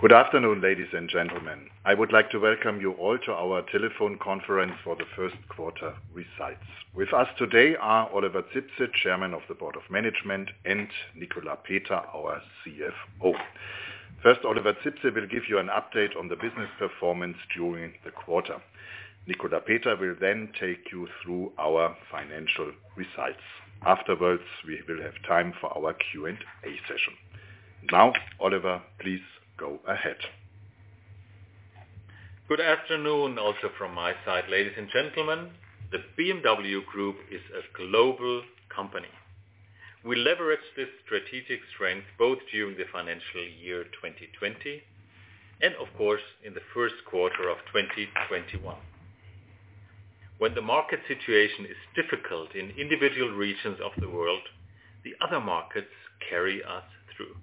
Good afternoon, ladies and gentlemen. I would like to welcome you all to our telephone conference for the first quarter results. With us today are Oliver Zipse, Chairman of the Board of Management, and Nicolas Peter, our CFO. First, Oliver Zipse will give you an update on the business performance during the quarter. Nicolas Peter will take you through our financial results. Afterwards, we will have time for our Q&A session. Oliver, please go ahead. Good afternoon also from my side, ladies and gentlemen. The BMW Group is a global company. We leveraged this strategic strength both during the financial year 2020 and of course, in the first quarter of 2021. When the market situation is difficult in individual regions of the world, the other markets carry us through.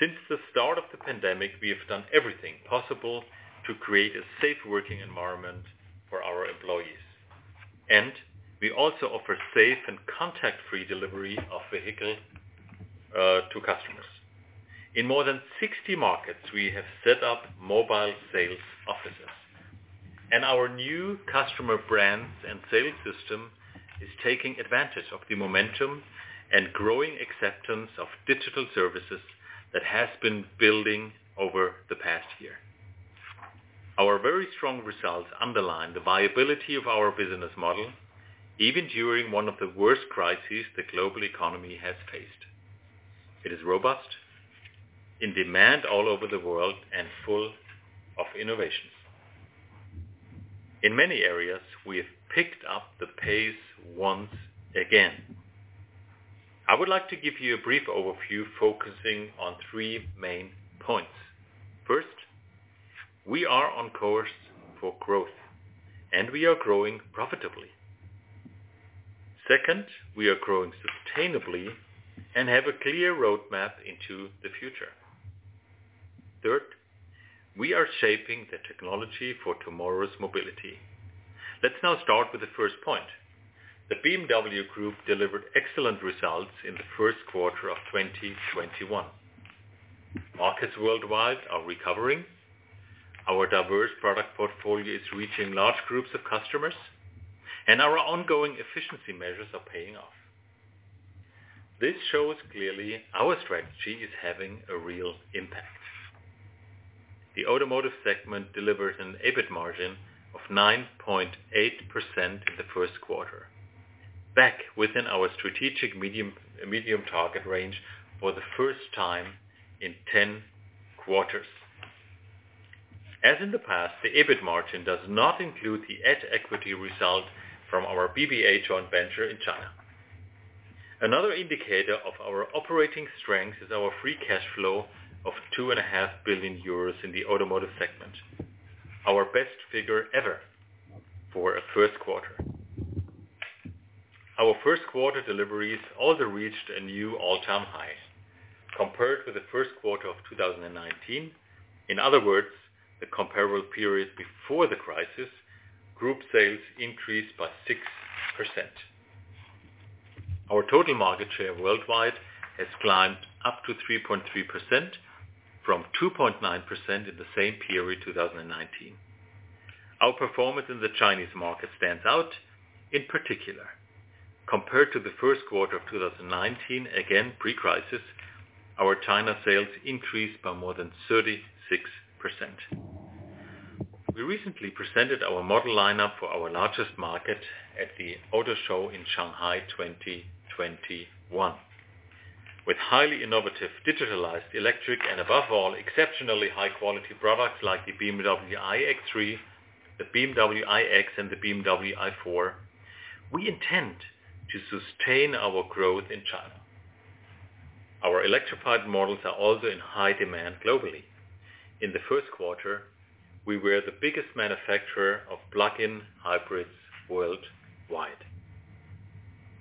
Since the start of the pandemic, we have done everything possible to create a safe working environment for our employees, and we also offer safe and contact-free delivery of vehicles to customers. In more than 60 markets, we have set up mobile sales offices, and our new customer brands and sales system is taking advantage of the momentum and growing acceptance of digital services that has been building over the past year. Our very strong results underline the viability of our business model, even during one of the worst crises the global economy has faced. It is robust, in demand all over the world, and full of innovations. In many areas, we have picked up the pace once again. I would like to give you a brief overview focusing on three main points. First, we are on course for growth, and we are growing profitably. Second, we are growing sustainably and have a clear roadmap into the future. Third, we are shaping the technology for tomorrow's mobility. Let's now start with the first point. The BMW Group delivered excellent results in the first quarter of 2021. Markets worldwide are recovering. Our diverse product portfolio is reaching large groups of customers, and our ongoing efficiency measures are paying off. This shows clearly our strategy is having a real impact. The automotive segment delivered an EBITDA margin of 9.8% in the first quarter, back within our strategic medium target range for the first time in 10 quarters. As in the past, the EBITDA margin does not include the at-equity result from our BBA joint venture in China. Another indicator of our operating strength is our free cash flow of 2.5 billion euros in the automotive segment, our best figure ever for a first quarter. Our first-quarter deliveries also reached a new all-time high. Compared with the first quarter of 2019, in other words, the comparable period before the crisis, group sales increased by 6%. Our total market share worldwide has climbed up to 3.3% from 2.9% in the same period, 2019. Our performance in the Chinese market stands out, in particular. Compared to the first quarter of 2019, again pre-crisis, our China sales increased by more than 36%. We recently presented our model lineup for our largest market at the Auto Shanghai 2021. With highly innovative, digitalized, electric, and above all, exceptionally high-quality products like the BMW iX3, the BMW iX, and the BMW i4, we intend to sustain our growth in China. Our electrified models are also in high demand globally. In the first quarter, we were the biggest manufacturer of plug-in hybrids worldwide.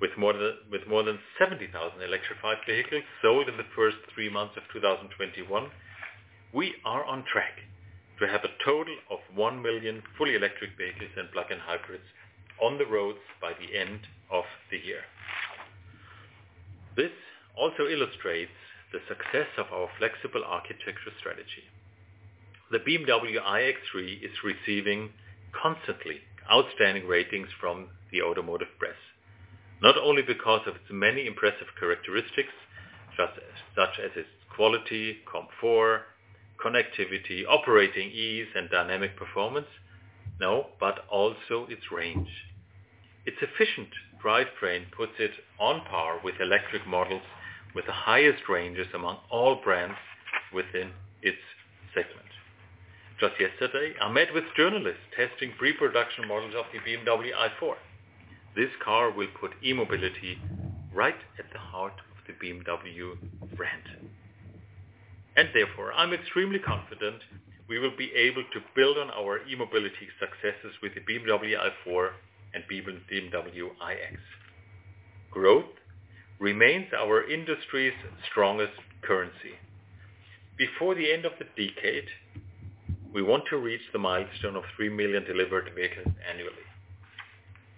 With more than 70,000 electrified vehicles sold in the first three months of 2021, we are on track to have a total of 1 million fully electric vehicles and plug-in hybrids on the roads by the end of the year. This also illustrates the success of our flexible architecture strategy. The BMW iX3 is receiving constantly outstanding ratings from the automotive press, not only because of its many impressive characteristics, such as its quality, comfort, connectivity, operating ease, and dynamic performance, no, but also its range. Its efficient drivetrain puts it on par with electric models with the highest ranges among all brands within its segment. Just yesterday, I met with journalists testing pre-production models of the BMW i4. This car will put E-mobility right at the heart of the BMW brand. Therefore, I'm extremely confident we will be able to build on our E-mobility successes with the BMW i4 and BMW iX. Growth remains our industry's strongest currency. Before the end of the decade, we want to reach the milestone of 3 million delivered vehicles annually.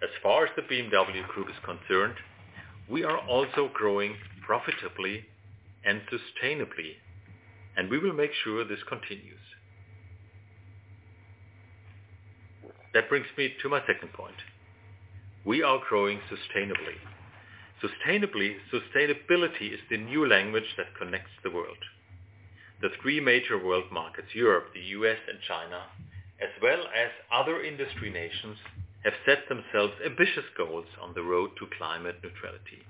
As far as the BMW Group is concerned, we are also growing profitably and sustainably, and we will make sure this continues. That brings me to my second point. We are growing sustainably. Sustainability is the new language that connects the world. The three major world markets, Europe, the U.S., and China, as well as other industry nations, have set themselves ambitious goals on the road to climate neutrality.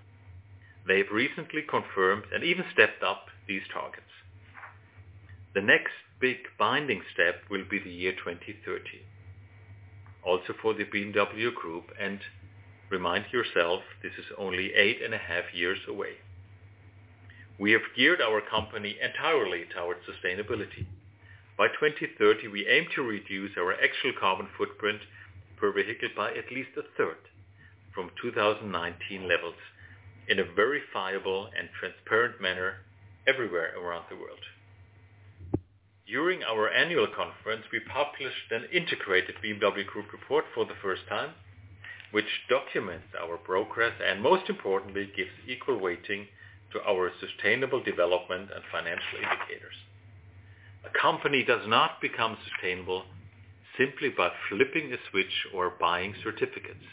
They've recently confirmed and even stepped up these targets. The next big binding step will be the year 2030, also for the BMW Group, and remind yourself, this is only eight and a half years away. We have geared our company entirely toward sustainability. By 2030, we aim to reduce our actual carbon footprint per vehicle by at least a third from 2019 levels in a verifiable and transparent manner everywhere around the world. During our annual conference, we published an integrated BMW Group report for the first time, which documents our progress and most importantly, gives equal weighting to our sustainable development and financial indicators. A company does not become sustainable simply by flipping a switch or buying certificates.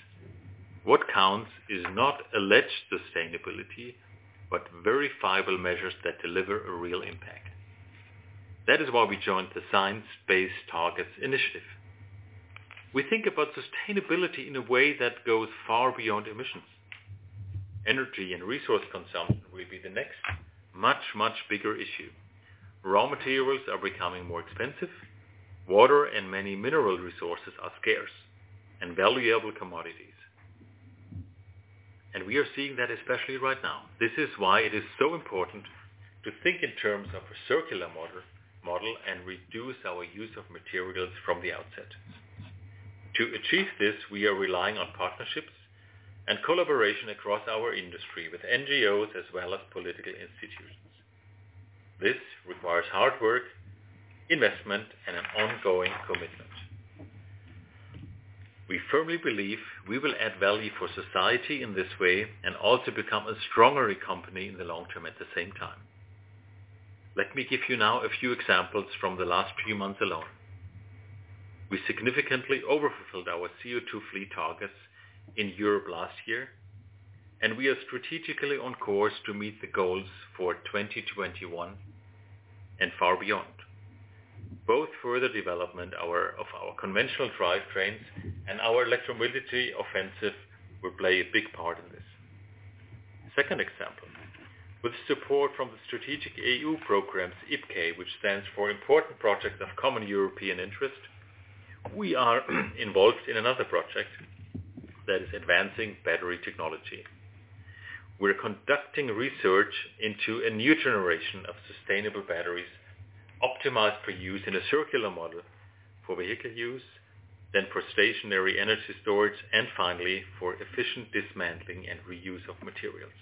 What counts is not alleged sustainability, but verifiable measures that deliver a real impact. That is why we joined the Science Based Targets initiative. We think about sustainability in a way that goes far beyond emissions. Energy and resource consumption will be the next much, much bigger issue. Raw materials are becoming more expensive. Water and many mineral resources are scarce and valuable commodities, and we are seeing that, especially right now. This is why it is so important to think in terms of a circular model and reduce our use of materials from the outset. To achieve this, we are relying on partnerships and collaboration across our industry with NGOs as well as political institutions. This requires hard work, investment, and an ongoing commitment. We firmly believe we will add value for society in this way and also become a stronger company in the long term at the same time. Let me give you now a few examples from the last few months alone. We significantly overfulfilled our CO2 fleet targets in Europe last year, and we are strategically on course to meet the goals for 2021 and far beyond. Both further development of our conventional drivetrains and our electromobility offensive will play a big part in this. Second example. With support from the strategic EU programs, IPCEI, which stands for Important Projects of Common European Interest, we are involved in another project that is advancing battery technology. We're conducting research into a new generation of sustainable batteries optimized for use in a circular model for vehicle use, then for stationary energy storage, and finally for efficient dismantling and reuse of materials.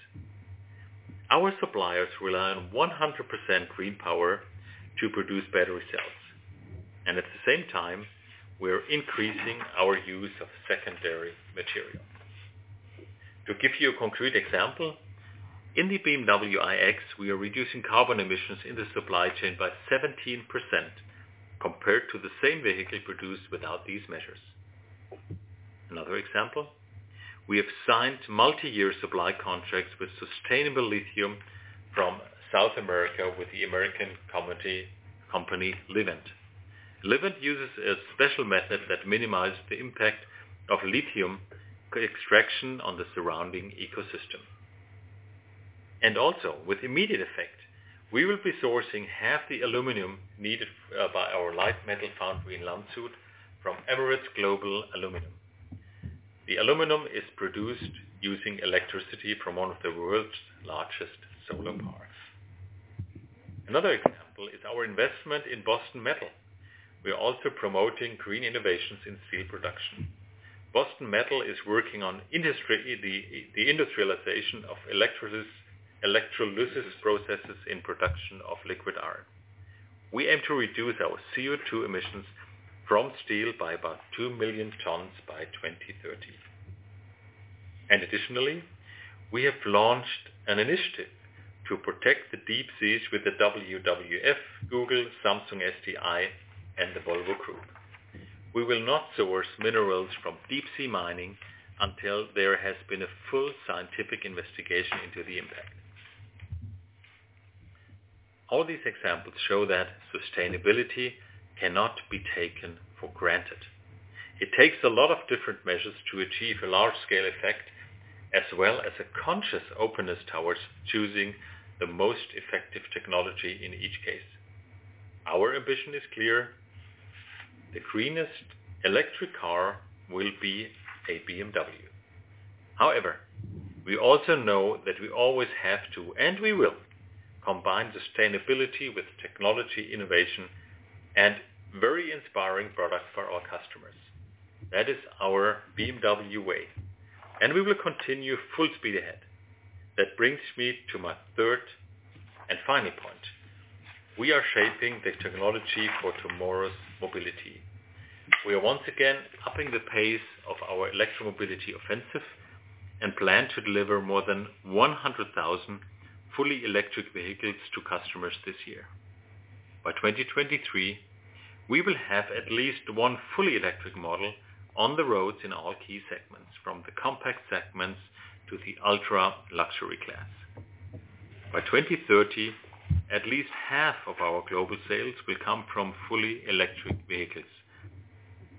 Our suppliers rely on 100% green power to produce battery cells, and at the same time, we're increasing our use of secondary materials. To give you a concrete example, in the BMW iX, we are reducing carbon emissions in the supply chain by 17% compared to the same vehicle produced without these measures. Another example, we have signed multi-year supply contracts with sustainable lithium from South America with the American company, Livent. Livent uses a special method that minimizes the impact of lithium extraction on the surrounding ecosystem. Also, with immediate effect, we will be sourcing half the aluminum needed by our light metal foundry in Landshut from Emirates Global Aluminium. The aluminum is produced using electricity from one of the world's largest solar parks. Another example is our investment in Boston Metal. We are also promoting green innovations in steel production. Boston Metal is working on the industrialization of electrolysis processes in production of liquid iron. We aim to reduce our CO2 emissions from steel by about 2 million tons by 2030. Additionally, we have launched an initiative to protect the deep seas with the WWF, Google, Samsung SDI, and the Volvo Group. We will not source minerals from deep sea mining until there has been a full scientific investigation into the impact. All these examples show that sustainability cannot be taken for granted. It takes a lot of different measures to achieve a large-scale effect, as well as a conscious openness towards choosing the most effective technology in each case. Our ambition is clear. The greenest electric car will be a BMW. However, we also know that we always have to, and we will, combine sustainability with technology innovation and very inspiring products for our customers. That is our BMW way, and we will continue full speed ahead. That brings me to my third and final point. We are shaping the technology for tomorrow's mobility. We are once again upping the pace of our electromobility offensive and plan to deliver more than 100,000 fully electric vehicles to customers this year. By 2023, we will have at least one fully electric model on the roads in all key segments, from the compact segments to the ultra-luxury class. By 2030, at least half of our global sales will come from fully electric vehicles.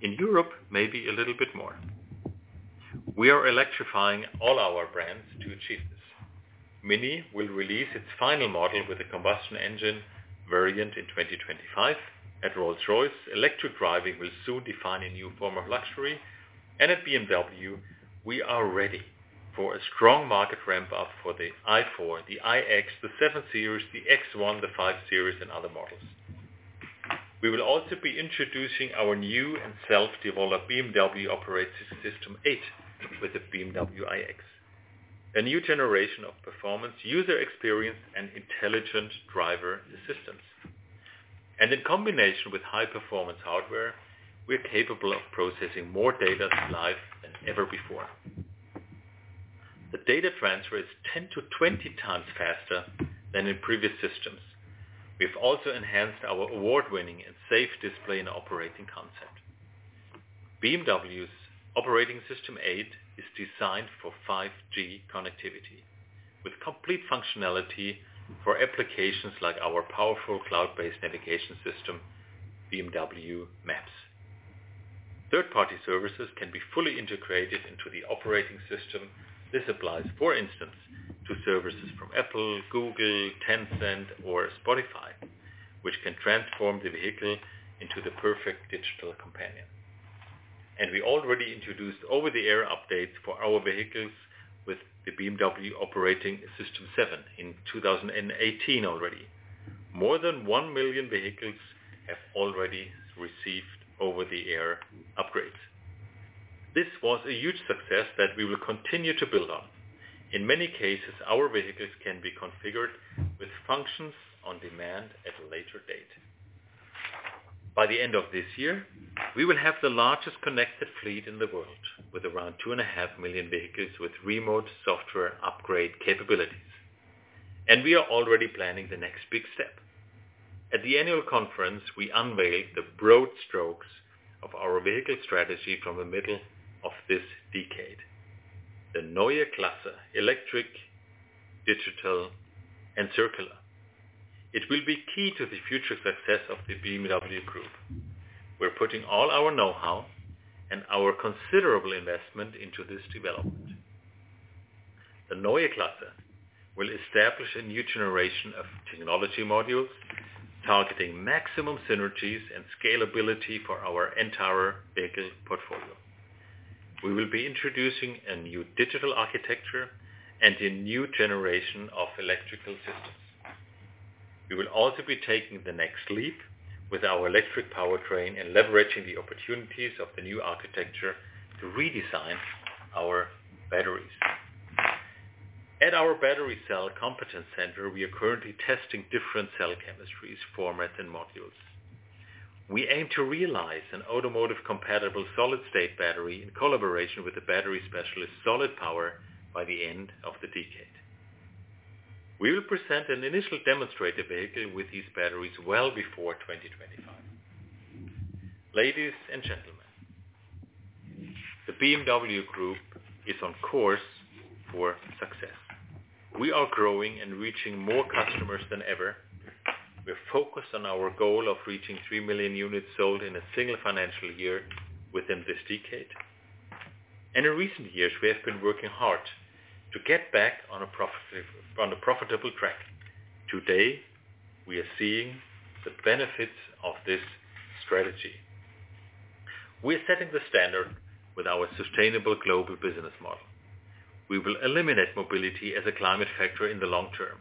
In Europe, maybe a little bit more. We are electrifying all our brands to achieve this. MINI will release its final model with a combustion engine variant in 2025. At Rolls-Royce, electric driving will soon define a new form of luxury. At BMW, we are ready for a strong market ramp-up for the i4, the iX, the 7 Series, the X1, the 5 Series, and other models. We will also be introducing our new and self-developed BMW Operating System 8 with the BMW iX. A new generation of performance, user experience, and intelligent driver assistance. In combination with high-performance hardware, we're capable of processing more data live than ever before. The data transfer is 10 to 20x faster than in previous systems. We've also enhanced our award-winning and safe display and operating concept. BMW's Operating System 8 is designed for 5G connectivity, with complete functionality for applications like our powerful cloud-based navigation system, BMW Maps. Third-party services can be fully integrated into the operating system. This applies, for instance, to services from Apple, Google, Tencent, or Spotify, which can transform the vehicle into the perfect digital companion. We already introduced over-the-air updates for our vehicles with the BMW Operating System 7 in 2018 already. More than 1 million vehicles have already received over-the-air upgrades. This was a huge success that we will continue to build on. In many cases, our vehicles can be configured with functions on demand at a later date. By the end of this year, we will have the largest connected fleet in the world, with around 2.5 million vehicles with remote software upgrade capabilities. We are already planning the next big step. At the annual conference, we unveiled the broad strokes of our vehicle strategy from the middle of this decade. The Neue Klasse, electric, digital, and circular. It will be key to the future success of the BMW Group. We're putting all our know-how and our considerable investment into this development. The Neue Klasse will establish a new generation of technology modules targeting maximum synergies and scalability for our entire vehicle portfolio. We will be introducing a new digital architecture and a new generation of electrical systems. We will also be taking the next leap with our electric powertrain and leveraging the opportunities of the new architecture to redesign our batteries. At our battery cell competence center, we are currently testing different cell chemistries, formats, and modules. We aim to realize an automotive-compatible solid-state battery in collaboration with the battery specialist, Solid Power, by the end of the decade. We will present an initial demonstrator vehicle with these batteries well before 2025. Ladies and gentlemen, the BMW Group is on course for success. We are growing and reaching more customers than ever. We're focused on our goal of reaching 3 million units sold in a single financial year within this decade. In recent years, we have been working hard to get back on a profitable track. Today, we are seeing the benefits of this strategy. We are setting the standard with our sustainable global business model. We will eliminate mobility as a climate factor in the long term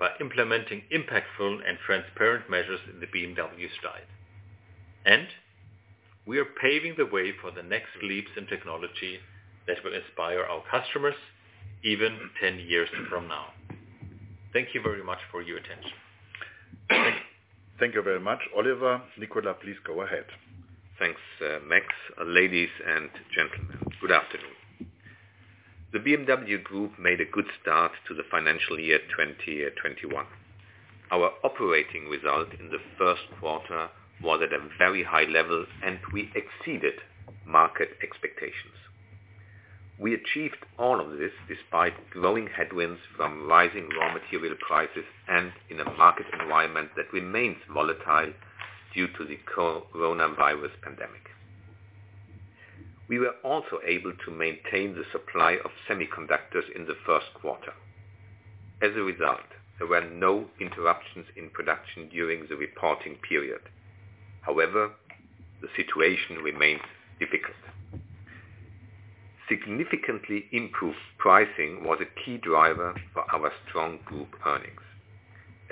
by implementing impactful and transparent measures in the BMW style. We are paving the way for the next leaps in technology that will inspire our customers even 10 years from now. Thank you very much for your attention. Thank you very much, Oliver. Nicolas, please go ahead. Thanks, Max. Ladies and gentlemen, good afternoon. The BMW Group made a good start to the financial year 2021. Our operating result in the first quarter was at a very high level, and we exceeded market expectations. We achieved all of this despite growing headwinds from rising raw material prices and in a market environment that remains volatile due to the coronavirus pandemic. We were also able to maintain the supply of semiconductors in the first quarter. As a result, there were no interruptions in production during the reporting period. However, the situation remains difficult. Significantly improved pricing was a key driver for our strong group earnings.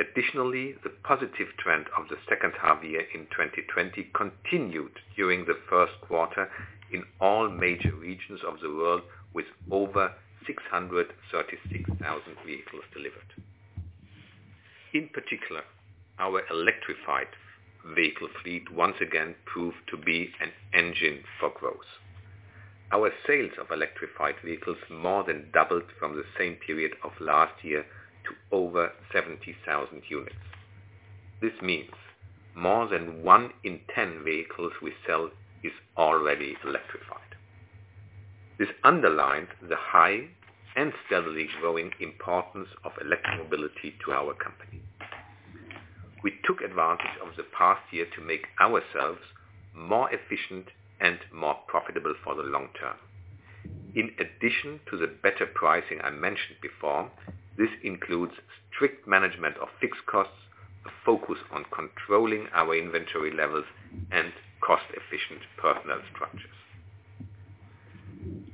Additionally, the positive trend of half year in 2020 continued during the first quarter in all major regions of the world, with over 636,000 vehicles delivered. In particular, our electrified vehicle fleet once again proved to be an engine for growth. Our sales of electrified vehicles more than doubled from the same period of last year to over 70,000 units. This means more than one in 10 vehicles we sell is already electrified. This underlined the high and steadily growing importance of electric mobility to our company. We took advantage of the past year to make ourselves more efficient and more profitable for the long term. In addition to the better pricing I mentioned before, this includes strict management of fixed costs, a focus on controlling our inventory levels, and cost-efficient personnel structures.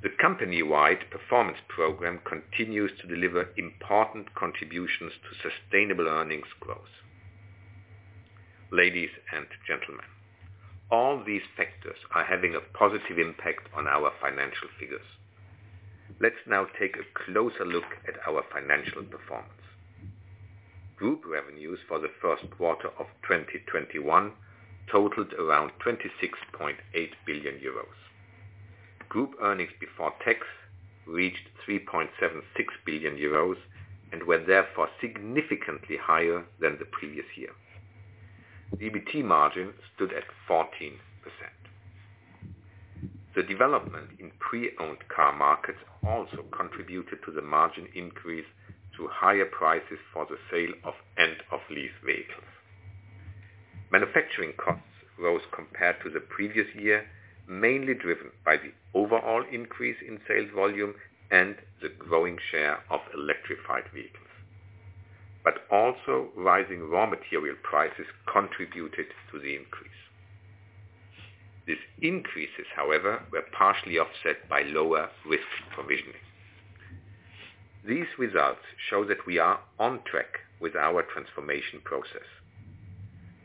The company-wide performance program continues to deliver important contributions to sustainable earnings growth. Ladies and gentlemen, all these factors are having a positive impact on our financial figures. Let's now take a closer look at our financial performance. Group revenues for the first quarter of 2021 totaled around 26.8 billion euros. Group earnings before tax reached 3.76 billion euros and were therefore significantly higher than the previous year. EBT margin stood at 14%. The development in pre-owned car markets also contributed to the margin increase to higher prices for the sale of end-of-lease vehicles. Manufacturing costs rose compared to the previous year, mainly driven by the overall increase in sales volume and the growing share of electrified vehicles, but also rising raw material prices contributed to the increase. These increases, however, were partially offset by lower risk provisioning. These results show that we are on track with our transformation process.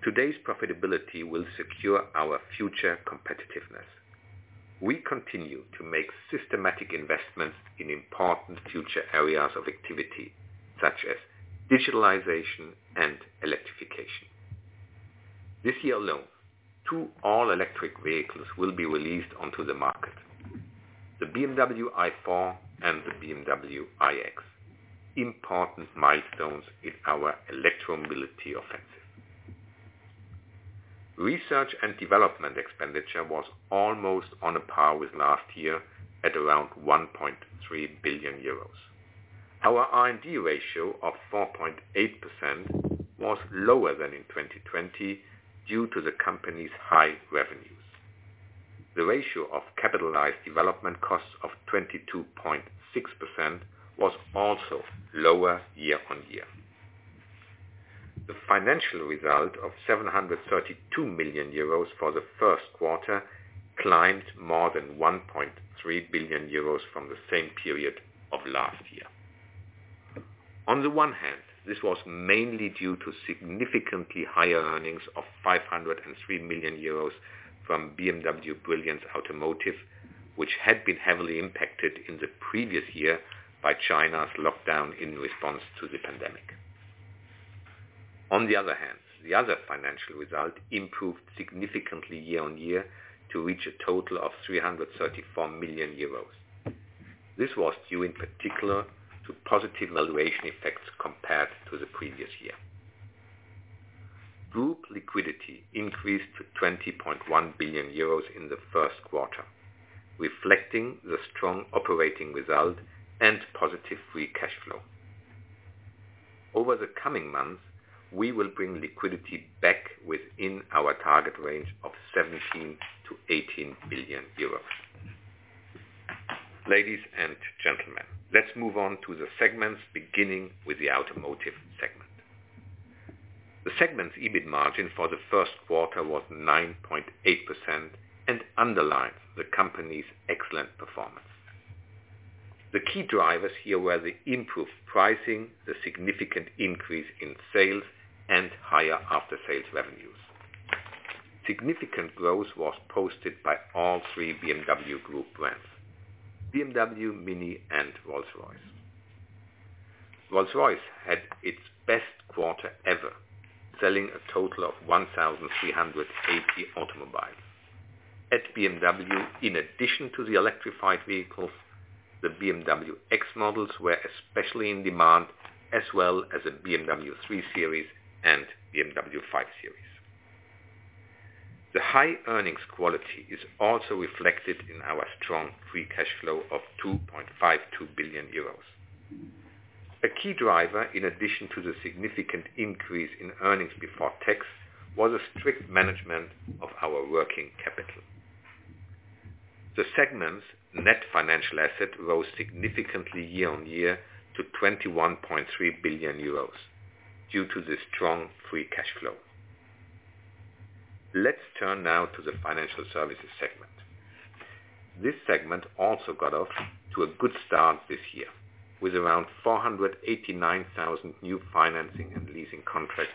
Today's profitability will secure our future competitiveness. We continue to make systematic investments in important future areas of activity, such as digitalization and electrification. This year alone, two all-electric vehicles will be released onto the market. The BMW i4 and the BMW iX, important milestones in our electromobility offensive. Research and development expenditure was almost on a par with last year at around 1.3 billion euros. Our R&D ratio of 4.8% was lower than in 2020 due to the company's high revenues. The ratio of capitalized development costs of 22.6% was also lower year-on-year. The financial result of 732 million euros for the first quarter climbed more than 1.3 billion euros from the same period of last year. On the one hand, this was mainly due to significantly higher earnings of 503 million euros from BMW Brilliance Automotive, which had been heavily impacted in the previous year by China's lockdown in response to the pandemic. On the other hand, the other financial result improved significantly year on year to reach a total of 334 million euros. This was due in particular to positive valuation effects compared to the previous year. Group liquidity increased to 20.1 billion euros in the first quarter, reflecting the strong operating result and positive free cash flow. Over the coming months, we will bring liquidity back within our target range of 17 to 18 billion. Ladies and gentlemen, let's move on to the segments beginning with the automotive segment. The segment's EBITDA margin for the first quarter was 9.8% and underlined the company's excellent performance. The key drivers here were the improved pricing, the significant increase in sales, and higher after-sales revenues. Significant growth was posted by all three BMW Group brands, BMW, MINI, and Rolls-Royce. Rolls-Royce had its best quarter ever, selling a total of 1,380 automobiles. At BMW, in addition to the electrified vehicles, the BMW X models were especially in demand, as well as the BMW 3 Series and BMW 5 Series. The high earnings quality is also reflected in our strong free cash flow of 2.52 billion euros. A key driver, in addition to the significant increase in earnings before tax, was a strict management of our working capital. The segment's net financial asset rose significantly year on year to 21.3 billion euros due to the strong free cash flow. Let's turn now to the financial services segment. This segment also got off to a good start this year, with around 489,000 new financing and leasing contracts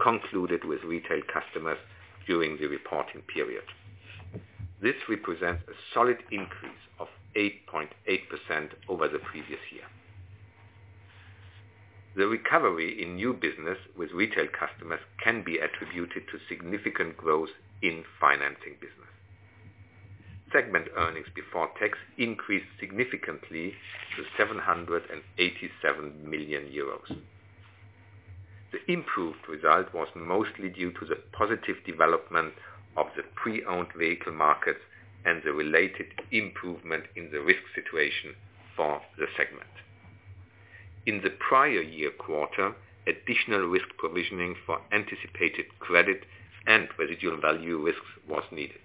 concluded with retail customers during the reporting period. This represents a solid increase of 8.8% over the previous year. The recovery in new business with retail customers can be attributed to significant growth in financing business. Segment earnings before tax increased significantly to 787 million euros. The improved result was mostly due to the positive development of the pre-owned vehicle market and the related improvement in the risk situation for the segment. In the prior year quarter, additional risk provisioning for anticipated credit and residual value risks was needed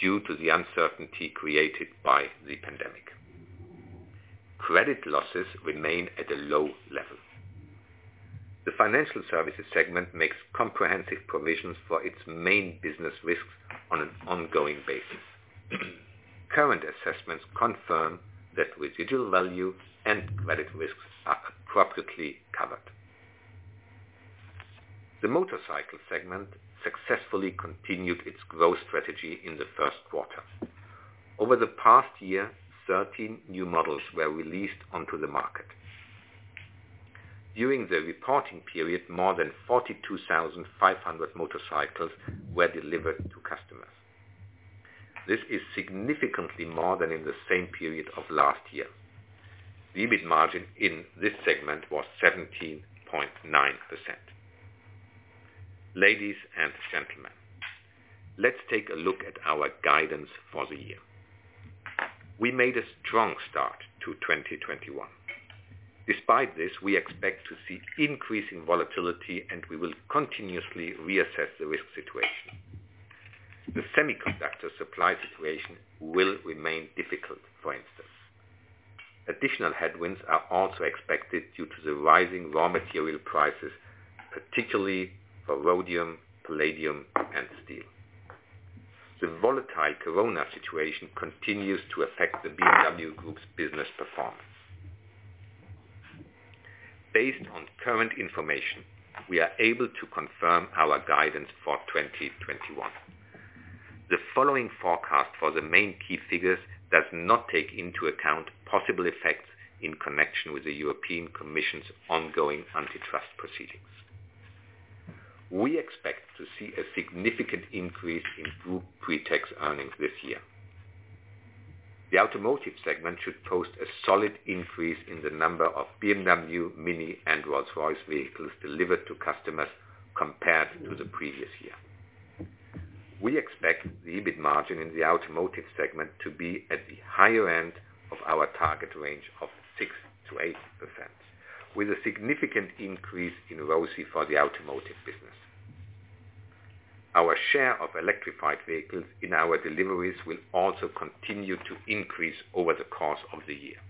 due to the uncertainty created by the pandemic. Credit losses remain at a low level. The financial services segment makes comprehensive provisions for its main business risks on an ongoing basis. Current assessments confirm that residual value and credit risks are appropriately covered. The motorcycle segment successfully continued its growth strategy in the first quarter. Over the past year, 13 new models were released onto the market. During the reporting period, more than 42,500 motorcycles were delivered to customers. This is significantly more than in the same period of last year. The EBITDA margin in this segment was 17.9%. Ladies and gentlemen, let's take a look at our guidance for the year. We made a strong start to 2021. Despite this, we expect to see increasing volatility, and we will continuously reassess the risk situation. The semiconductor supply situation will remain difficult, for instance. Additional headwinds are also expected due to the rising raw material prices, particularly for rhodium, palladium, and steel. The volatile COVID situation continues to affect the BMW Group's business performance. Based on current information, we are able to confirm our guidance for 2021. The following forecast for the main key figures does not take into account possible effects in connection with the European Commission's ongoing antitrust proceedings. We expect to see a significant increase in group pre-tax earnings this year. The automotive segment should post a solid increase in the number of BMW, MINI, and Rolls-Royce vehicles delivered to customers compared to the previous year. We expect the EBITDA margin in the automotive segment to be at the higher end of our target range of 6% to 8%, with a significant increase in ROCE for the automotive business. Our share of electrified vehicles in our deliveries will also continue to increase over the course of the year.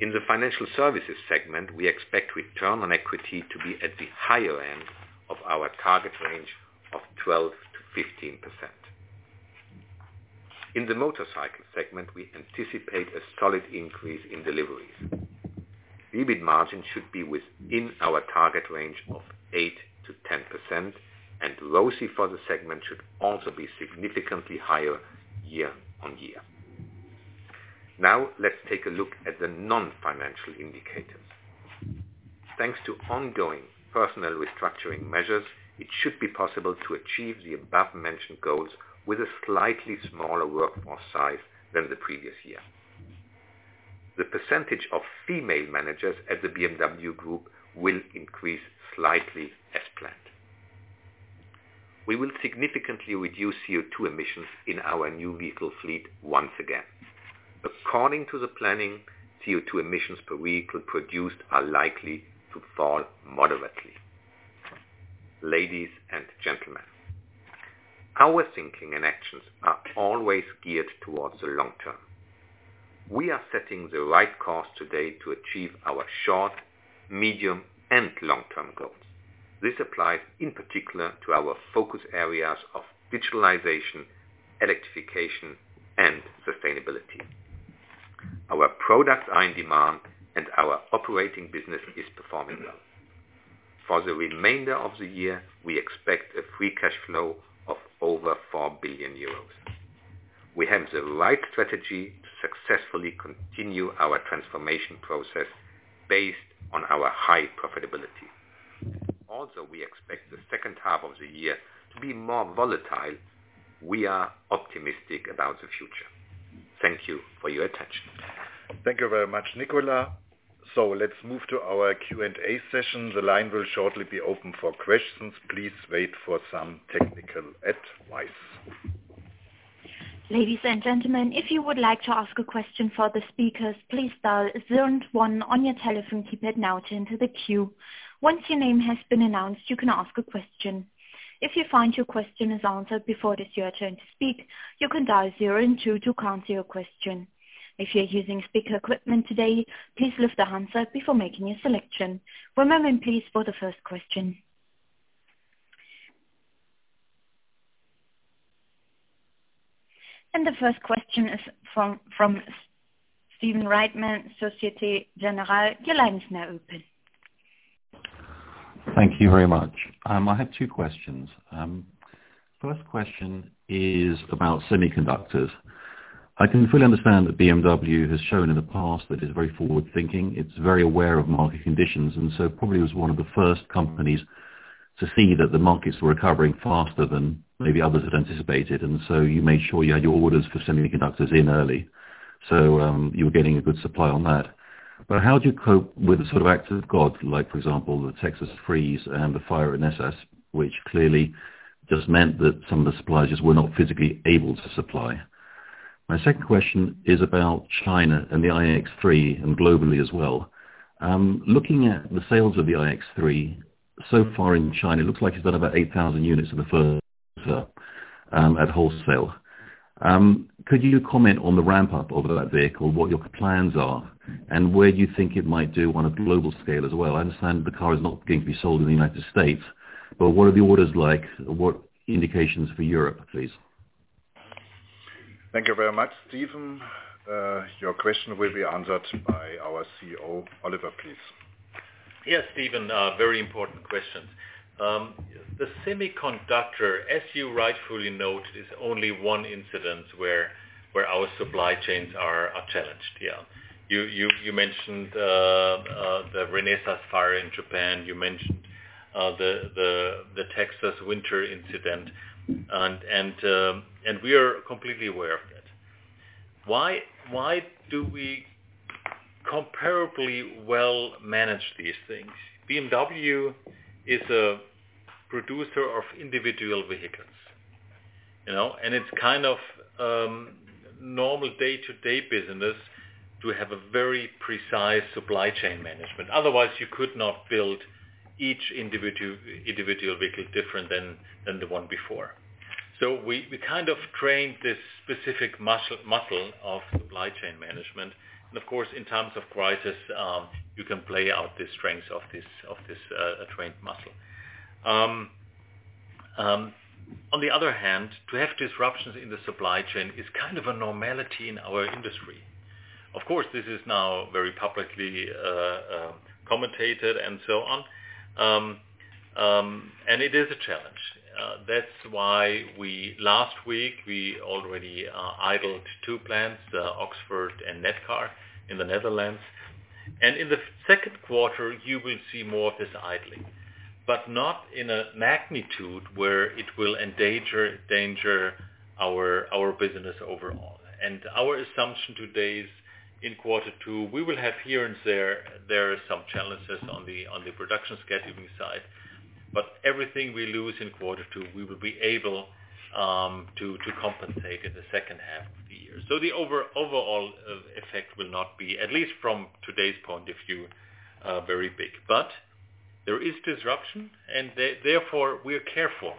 In the financial services segment, we expect return on equity to be at the higher end of our target range of 12% to 15%. In the motorcycle segment, we anticipate a solid increase in deliveries. EBITDA margin should be within our target range of 8% to 10%, and ROCE for the segment should also be significantly higher year on year. Now let's take a look at the non-financial indicators. Thanks to ongoing personnel restructuring measures, it should be possible to achieve the above-mentioned goals with a slightly smaller workforce size than the previous year. The percentage of female managers at the BMW Group will increase slightly as planned. We will significantly reduce CO2 emissions in our new vehicle fleet once again. According to the planning, CO2 emissions per vehicle produced are likely to fall moderately. Ladies and gentlemen, our thinking and actions are always geared towards the long term. We are setting the right course today to achieve our short, medium, and long-term goals. This applies in particular to our focus areas of digitalization, electrification, and sustainability. Our products are in demand, and our operating business is performing well. For the remainder of the year, we expect a free cash flow of over 4 billion euros. We have the right strategy to successfully continue our transformation process based on our high profitability. We expect the second half of the year to be more volatile. We are optimistic about the future. Thank you for your attention. Thank you very much, Nicolas. Let's move to our Q&A session. The line will shortly be open for questions. Ladies and gentlemen if you would like to ask a question for the speakers please dial star one on your telephone keypad now to enter the queue. Once your name has been announced you can ask your question. If you find your question is answered before its your turn to speak you could dial zero and two to cancel your question. If you are using speaker equipment today please raise your hands up before make a selection. One moment please for the first question. The first question is from Stephen Reitman, Societe Generale. Your line is now open. Thank you very much. I have two questions. First question is about semiconductors. I can fully understand that BMW has shown in the past that it's very forward-thinking, it's very aware of market conditions, and so probably was one of the first companies to see that the markets were recovering faster than maybe others had anticipated, and so you made sure you had your orders for semiconductors in early. You were getting a good supply on that. How do you cope with the sort of acts of God, like for example, the Texas freeze and the fire in Renesas, which clearly just meant that some of the suppliers just were not physically able to supply? My second question is about China and the iX3, and globally as well. Looking at the sales of the BMW iX3 so far in China, it looks like it has done about 8,000 units in the first at wholesale. Could you comment on the ramp-up of that vehicle, what your plans are, and where you think it might do on a global scale as well? I understand the car is not going to be sold in the U.S., but what are the orders like? What indications for Europe, please? Thank you very much, Stephen. Your question will be answered by our CEO, Oliver, please. Yes, Stephen, very important questions. The semiconductor, as you rightfully noted, is only one incident where our supply chains are challenged. You mentioned the Renesas fire in Japan. You mentioned the Texas winter incident, and we are completely aware of it. Why do we comparably well manage these things? BMW is a producer of individual vehicles. It's kind of normal day-to-day business to have a very precise supply chain management. Otherwise, you could not build each individual vehicle different than the one before. We kind of trained this specific muscle of supply chain management, and of course, in times of crisis, you can play out the strengths of this trained muscle. On the other hand, to have disruptions in the supply chain is kind of a normality in our industry. Of course, this is now very publicly commentated and so on. It is a challenge. That's why last week we already idled two plants, Oxford and VDL Nedcar in the Netherlands. In the second quarter, you will see more of this idling, but not in a magnitude where it will endanger our business overall. Our assumption today is in quarter two, we will have here and there are some challenges on the production scheduling side, but everything we lose in quarter two, we will be able to compensate in the second half of the year. The overall effect will not be, at least from today's point of view, very big. There is disruption, and therefore we are careful,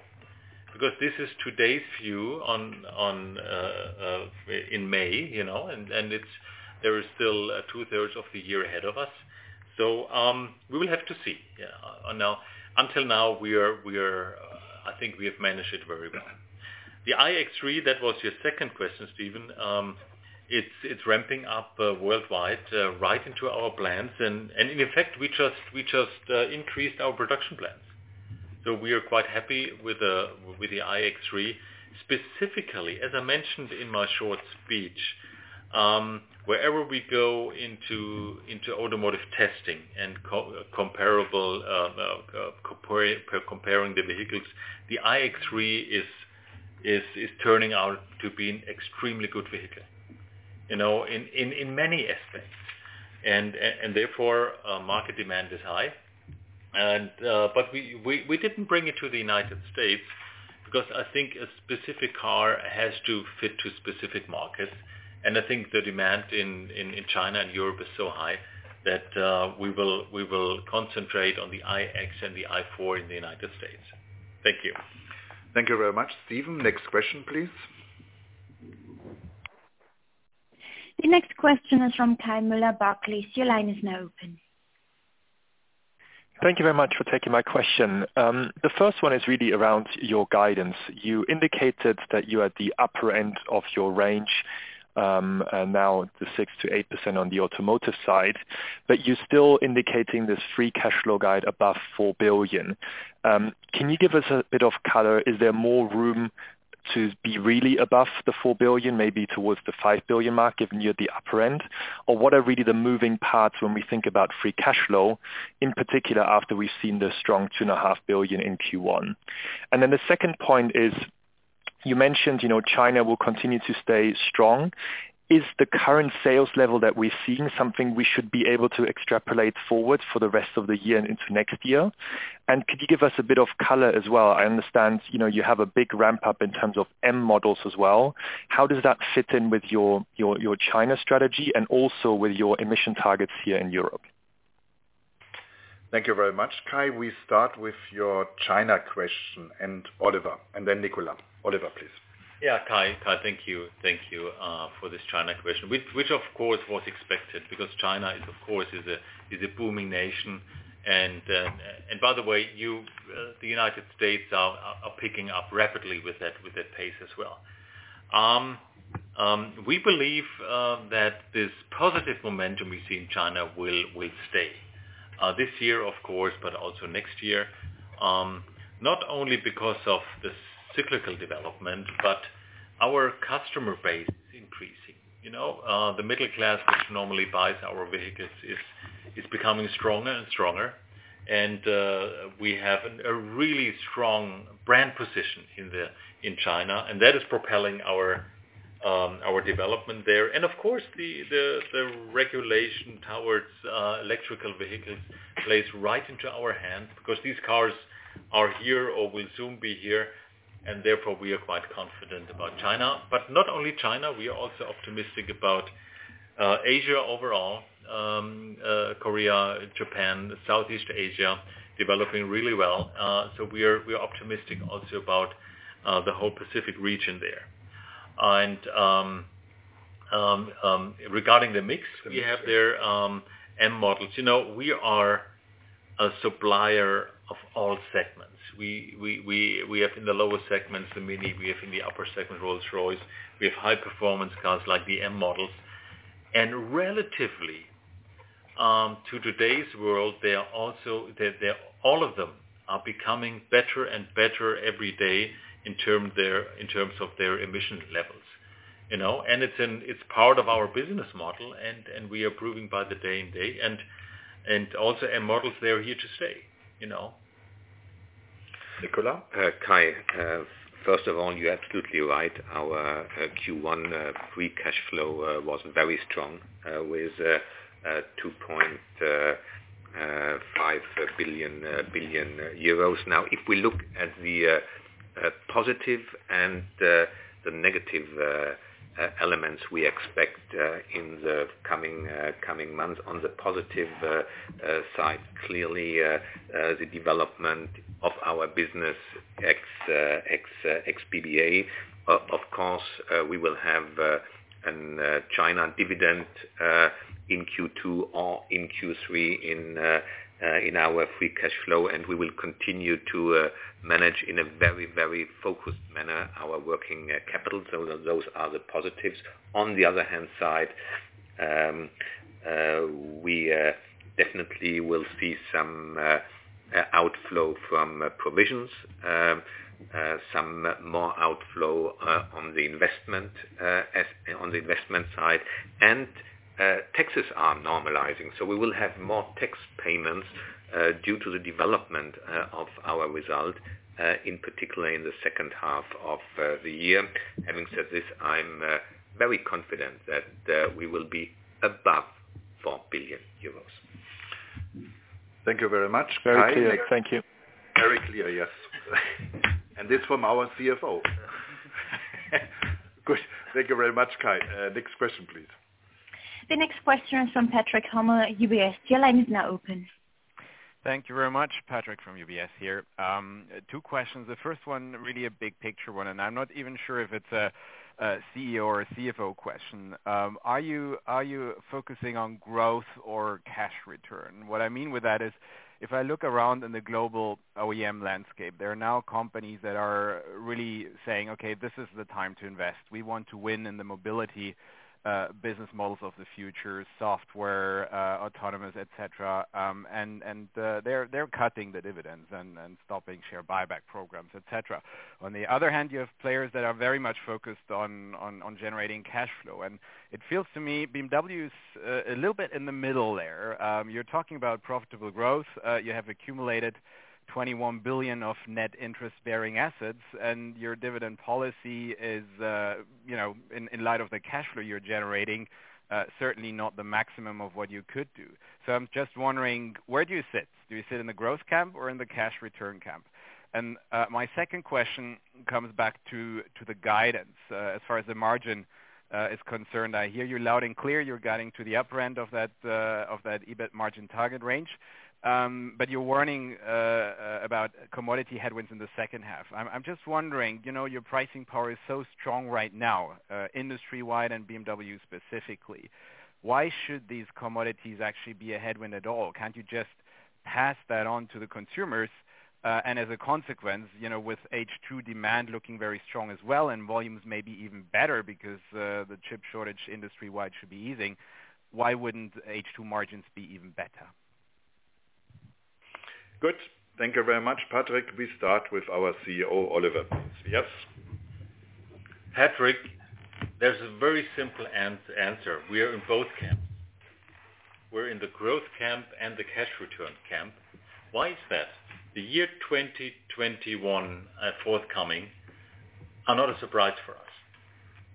because this is today's view in May, and there is still two-thirds of the year ahead of us. We will have to see. Until now, I think we have managed it very well. The BMW iX3, that was your second question, Stephen Reitman. It's ramping up worldwide, right into our plans. In effect, we just increased our production plans. We are quite happy with the iX3. Specifically, as I mentioned in my short speech, wherever we go into automotive testing and comparing the vehicles, the iX3 is turning out to be an extremely good vehicle in many aspects. Therefore, market demand is high. We didn't bring it to the U.S. because I think a specific car has to fit to a specific market, and I think the demand in China and Europe is so high that we will concentrate on the iX and the i4 in the U.S. Thank you. Thank you very much, Stephen Reitman. Next question, please. The next question is from Kai Müller, Barclays. Your line is now open. Thank you very much for taking my question. The first one is really around your guidance. You indicated that you are at the upper end of your range, now the 6% to 8% on the automotive side, but you're still indicating this free cash flow guide above 4 billion. Can you give us a bit of color? Is there more room to be really above the 4 billion, maybe towards the 5 billion mark if you're at the upper end? What are really the moving parts when we think about free cash flow, in particular after we've seen the strong 2.5 billion in Q1? The second point is, you mentioned China will continue to stay strong. Is the current sales level that we're seeing something we should be able to extrapolate forward for the rest of the year and into next year? Could you give us a bit of color as well? I understand you have a big ramp-up in terms of M models as well. How does that fit in with your China strategy and also with your emission targets here in Europe? Thank you very much, Kai. We start with your China question, and Oliver, and then Nicolas. Oliver, please. Yeah, Kai, thank you for this China question, which of course, was expected because China is a booming nation. By the way, the United States are picking up rapidly with that pace as well. We believe that this positive momentum we see in China will stay. This year, of course, but also next year. Not only because of the cyclical development, but our customer base is increasing. The middle class, which normally buys our vehicles, is becoming stronger and stronger. We have a really strong brand position in China, and that is propelling our development there. Of course, the regulation towards electrified vehicles plays right into our hands because these cars are here or will soon be here, and therefore we are quite confident about China. Not only China, we are also optimistic about Asia overall, Korea, Japan, Southeast Asia, developing really well. We are optimistic also about the whole Pacific region there. Regarding the mix we have there, M models, we are a supplier of all segments. We have in the lower segments, the MINI. We have in the upper segment, Rolls-Royce. We have high-performance cars like the M models. Relatively, to today's world, all of them are becoming better and better every day in terms of their emission levels. It's part of our business model, and we are proving by the day, and also M models, they are here to stay. Nicolas? Kai, first of all, you're absolutely right. Our Q1 free cash flow was very strong, with 2.5 billion. If we look at the positive and the negative elements we expect in the coming months, on the positive side, clearly, the development of our business ex BBA. Of course, we will have a China dividend in Q2 or in Q3 in our free cash flow, and we will continue to manage in a very focused manner our working capital. Those are the positives. On the other hand side, we definitely will see some outflow from provisions, some more outflow on the investment side. Taxes are normalizing. We will have more tax payments due to the development of our result, in particular in the second half of the year. Having said this, I'm very confident that we will be above 4 billion euros. Thank you very much. Very clear. Thank you. Very clear. Yes. This from our CFO. Good. Thank you very much, Kai. Next question, please. The next question is from Patrick Hummel at UBS. Your line is now open. Thank you very much, Patrick from UBS here. Two questions. The first one, really a big picture one. I'm not even sure if it's a CEO or a CFO question. Are you focusing on growth or cash return? What I mean with that is, if I look around in the global OEM landscape, there are now companies that are really saying, "Okay, this is the time to invest. We want to win in the mobility business models of the future, software, autonomous, et cetera." They're cutting the dividends and stopping share buyback programs, et cetera. On the other hand, you have players that are very much focused on generating cash flow. It feels to me BMW is a little bit in the middle there. You're talking about profitable growth. You have accumulated 21 billion of net interest-bearing assets. Your dividend policy is, in light of the cash flow you are generating, certainly not the maximum of what you could do. I am just wondering, where do you sit? Do you sit in the growth camp or in the cash return camp? My second question comes back to the guidance, as far as the margin is concerned. I hear you loud and clear. You are guiding to the upper end of that EBITDA margin target range. You are warning about commodity headwinds in the second half. I am just wondering, your pricing power is so strong right now, industry-wide and BMW specifically. Why should these commodities actually be a headwind at all? Can’t you just pass that on to the consumers? As a consequence, with H2 demand looking very strong as well, and volumes may be even better because the chip shortage industry-wide should be easing, why wouldn't H2 margins be even better? Good. Thank you very much, Patrick. We start with our CEO, Oliver. Yes. Patrick, there's a very simple answer. We are in both camps. We're in the growth camp and the cash return camp. Why is that? The year 2021 forthcoming are not a surprise for us.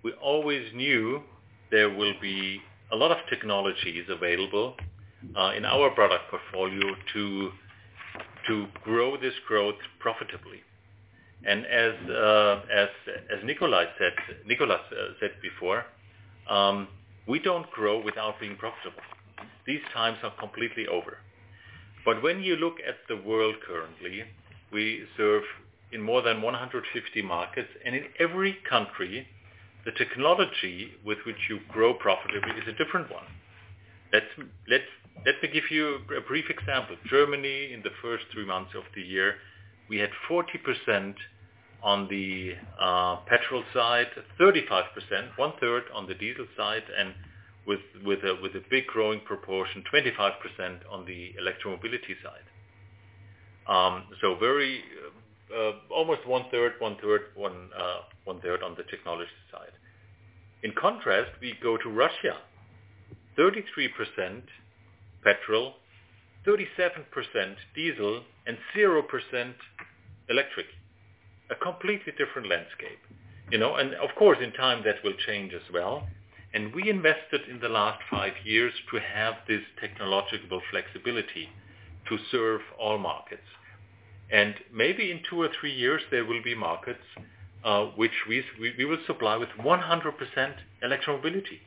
We always knew there will be a lot of technologies available in our product portfolio to grow this growth profitably. As Nicolas Peter said before, we don't grow without being profitable. These times are completely over. When you look at the world currently, we serve in more than 150 markets, and in every country, the technology with which you grow profitably is a different one. Let me give you a brief example. Germany, in the first three months of the year, we had 40% on the petrol side, 35%, one-third on the diesel side, and with a big growing proportion, 25% on the electro-mobility side. Almost one-third, on the technology side. In contrast, we go to Russia, 33% petrol, 37% diesel, and 0% electric. A completely different landscape. Of course, in time, that will change as well. We invested in the last five years to have this technological flexibility to serve all markets. Maybe in two or three years, there will be markets, which we will supply with 100% electro-mobility.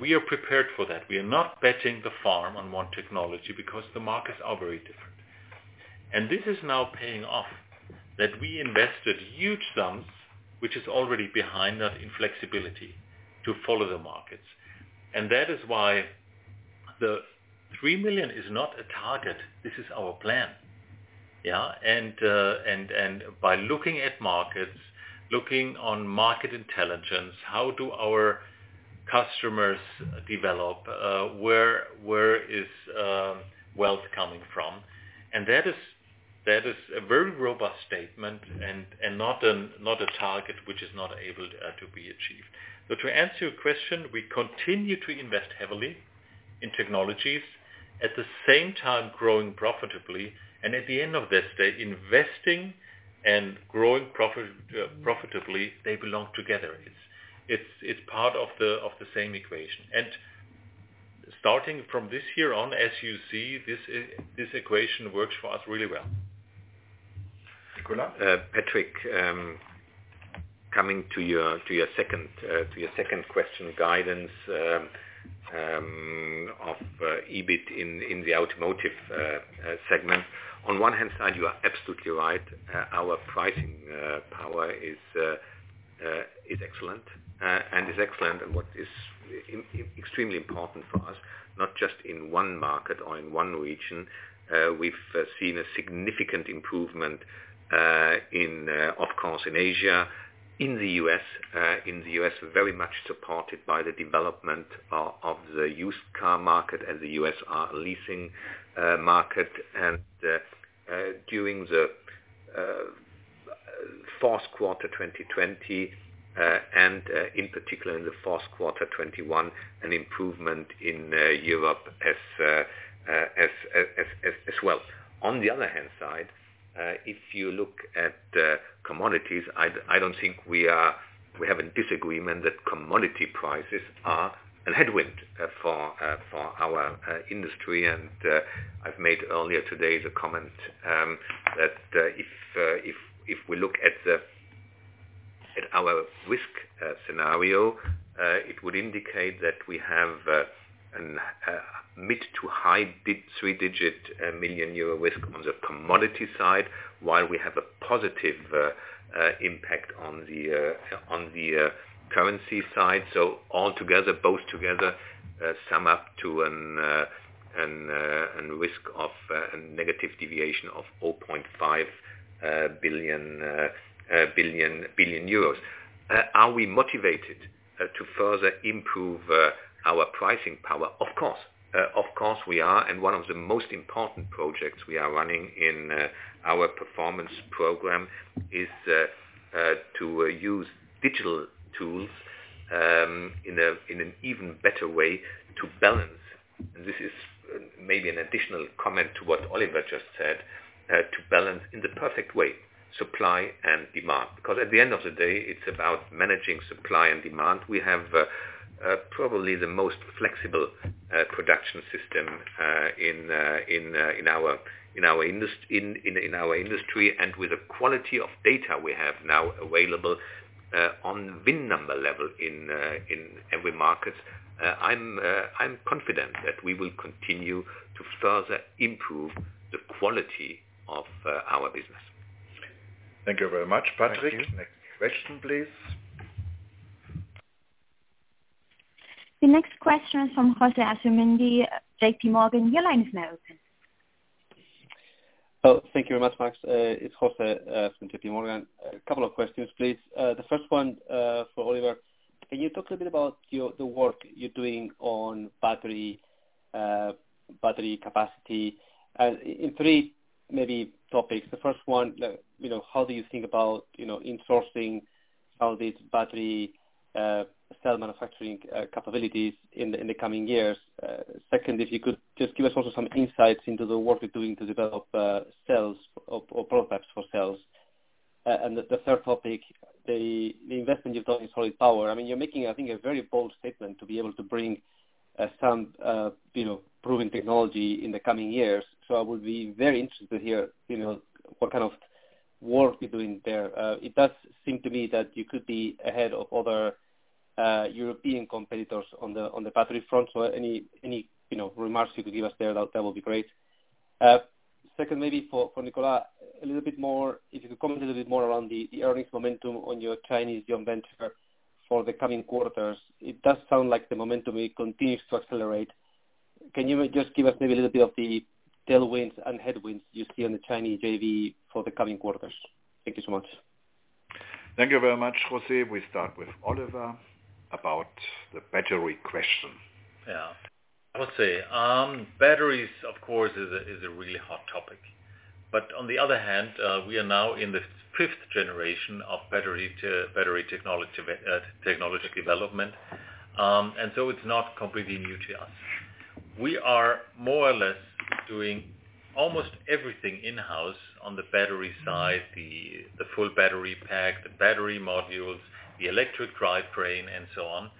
We are prepared for that. We are not betting the farm on one technology because the markets are very different. This is now paying off, that we invested huge sums, which is already behind us in flexibility to follow the markets. That is why the 3 million is not a target. This is our plan. By looking at markets, looking on market intelligence, how do our customers develop? Where is wealth coming from? That is a very robust statement and not a target which is not able to be achieved. To answer your question, we continue to invest heavily in technologies, at the same time growing profitably, and at the end of this day, investing and growing profitably, they belong together. It's part of the same equation. Starting from this year on, as you see, this equation works for us really well. Nicolas? Patrick, coming to your second question, guidance of EBITDA in the automotive segment. On one hand side, you are absolutely right. Our pricing power is excellent and what is extremely important for us, not just in one market or in one region. We've seen a significant improvement, of course, in Asia, in the U.S., very much supported by the development of the used car market and the U.S. leasing market. During the fourth quarter 2020, and in particular in the first quarter 2021, an improvement in Europe as well. On the other hand side, if you look at commodities, I don't think we have a disagreement that commodity prices are a headwind for our industry. I've made earlier today the comment that if we look at our risk scenario, it would indicate that we have a mid to high three-digit million EUR risk on the commodity side, while we have a positive impact on the currency side. Altogether, both together sum up to a risk of a negative deviation of 0.5 billion EUR. Are we motivated to further improve our pricing power? Of course. Of course, we are, and one of the most important projects we are running in our performance program is to use digital tools in an even better way to balance. This is maybe an additional comment to what Oliver just said, to balance in the perfect way, supply and demand. Because at the end of the day, it's about managing supply and demand. We have probably the most flexible production system in our industry, and with the quality of data we have now available on VIN level in every market, I'm confident that we will continue to further improve the quality of our business. Thank you very much, Patrick. Thank you. Next question, please. The next question is from Jose Asumendi, J.P. Morgan. Your line is now open. Thank you very much, Max. It's Jose from J.P. Morgan. A couple of questions, please. The first one for Oliver. Can you talk a little bit about the work you're doing on battery capacity in three maybe topics. The first one, how do you think about insourcing all these battery cell manufacturing capabilities in the coming years? If you could just give us also some insights into the work you're doing to develop cells or products for cells. The third topic, the investment you've done in Solid Power. You're making, I think, a very bold statement to be able to bring some proven technology in the coming years. I would be very interested to hear what kind of work you're doing there. It does seem to me that you could be ahead of other European competitors on the battery front. Any remarks you could give us there, that will be great. Second, maybe for Nicolas, if you could comment a little bit more around the earnings momentum on your Chinese joint venture for the coming quarters. It does sound like the momentum continues to accelerate. Can you just give us maybe a little bit of the tailwinds and headwinds you see on the Chinese JV for the coming quarters? Thank you so much. Thank you very much, Jose. We start with Oliver about the battery question. Yeah. I would say, batteries, of course, is a really hot topic. On the other hand, we are now in the fifth generation of battery technology development. It's not completely new to us. We are more or less doing almost everything in-house on the battery side, the full battery pack, the battery modules, the electric drivetrain and so on.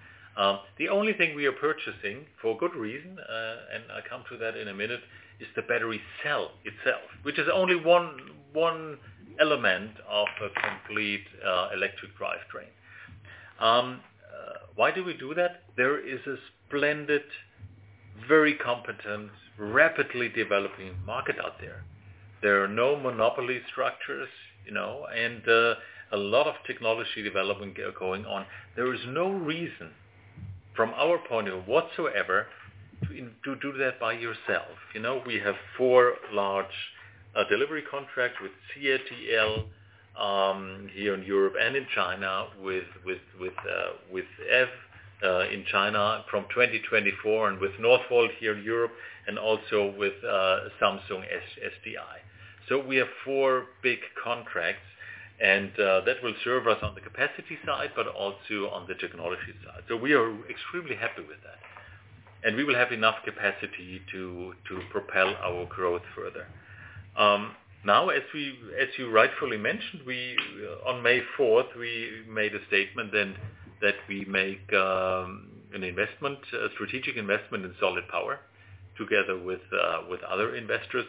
The only thing we are purchasing, for a good reason, and I come to that in a minute, is the battery cell itself, which is only one element of a complete electric drivetrain. Why do we do that? There is a splendid, very competent, rapidly developing market out there. There are no monopoly structures, and a lot of technology development going on. There is no reason from our point of whatsoever, to do that by yourself. We have four large delivery contracts with CATL, here in Europe and in China, with EVE in China from 2024 and with Northvolt here in Europe and also with Samsung SDI. We have four big contracts, and that will serve us on the capacity side, but also on the technology side. We are extremely happy with that. We will have enough capacity to propel our growth further. Now, as you rightfully mentioned, on May 4th, we made a statement that we make a strategic investment in Solid Power together with other investors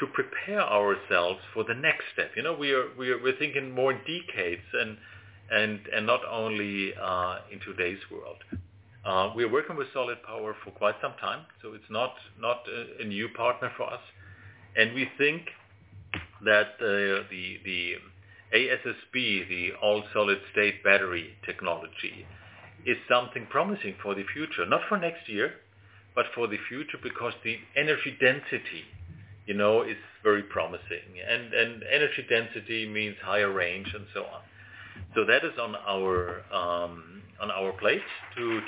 to prepare ourselves for the next step. We're thinking more decades and not only in today's world. We're working with Solid Power for quite some time, so it's not a new partner for us. We think that the ASSB, the all-solid-state battery technology, is something promising for the future. Not for next year, but for the future because the energy density is very promising. Energy density means higher range and so on. That is on our plate to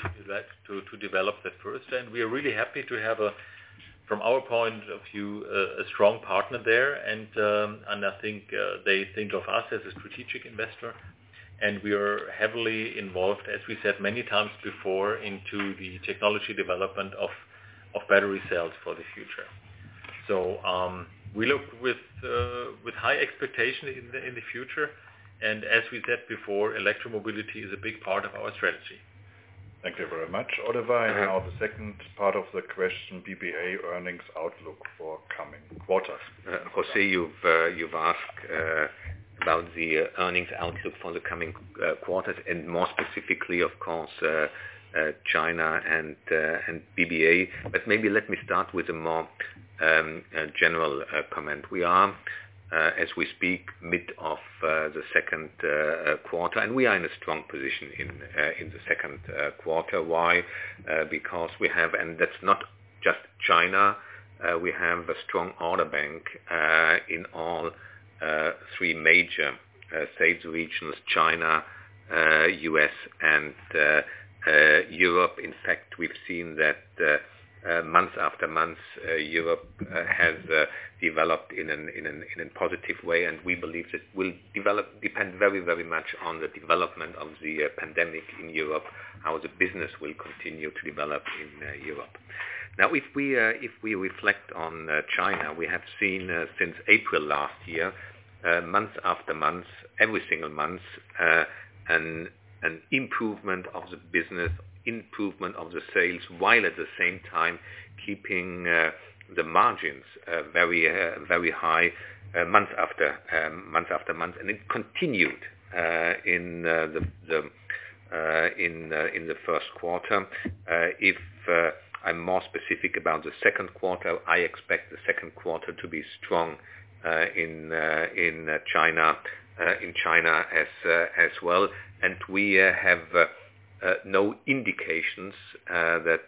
develop that first. We are really happy to have, from our point of view, a strong partner there. I think they think of us as a strategic investor, and we are heavily involved, as we said many times before, into the technology development of battery cells for the future. We look with high expectation in the future. As we said before, electro mobility is a big part of our strategy. Thank you very much, Oliver. Now the second part of the question, BBA earnings outlook for coming quarters. Jose, you've asked about the earnings outlook for the coming quarters and more specifically, of course, China and BBA. Maybe let me start with a more general comment. We are, as we speak, mid of the second quarter, and we are in a strong position in the second quarter. Why? Because we have. That's not just China. We have a strong order bank, in all three major sales regions, China, U.S., and Europe. In fact, we've seen that month after month, Europe has developed in a positive way, and we believe that will depend very much on the development of the pandemic in Europe, how the business will continue to develop in Europe. If we reflect on China, we have seen since April last year, month after month, every single month, an improvement of the business, improvement of the sales, while at the same time keeping the margins very high, month after month. It continued in the first quarter. If I'm more specific about the second quarter, I expect the second quarter to be strong in China as well. We have no indications that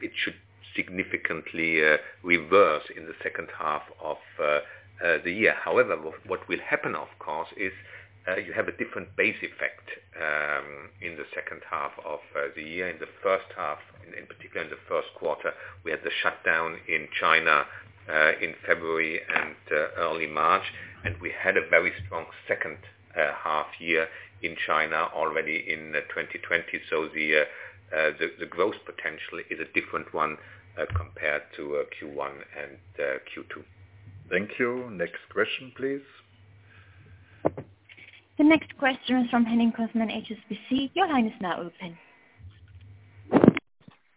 it should significantly reverse in the second half of the year. However, what will happen, of course, is you have a different base effect in the second half of the year. In the first half, in particular in the first quarter, we had the shutdown in China, in February and early March, and we had a very strong second half year in China already in 2020. The growth potential is a different one compared to Q1 and Q2. Thank you. Next question, please. The next question is from Henning Cosman from HSBC. Your line is now open.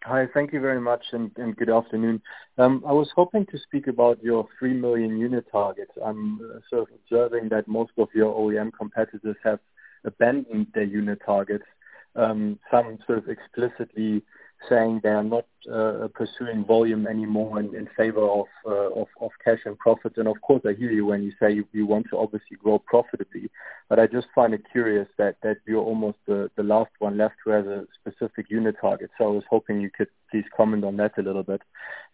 Hi. Thank you very much, and good afternoon. I was hoping to speak about your 3 million unit targets. I'm observing that most of your OEM competitors have abandoned their unit targets. Some sort of explicitly saying they are not pursuing volume anymore in favor of cash and profits. Of course, I hear you when you say you want to obviously grow profitably, but I just find it curious that you're almost the last one left who has a specific unit target. I was hoping you could please comment on that a little bit.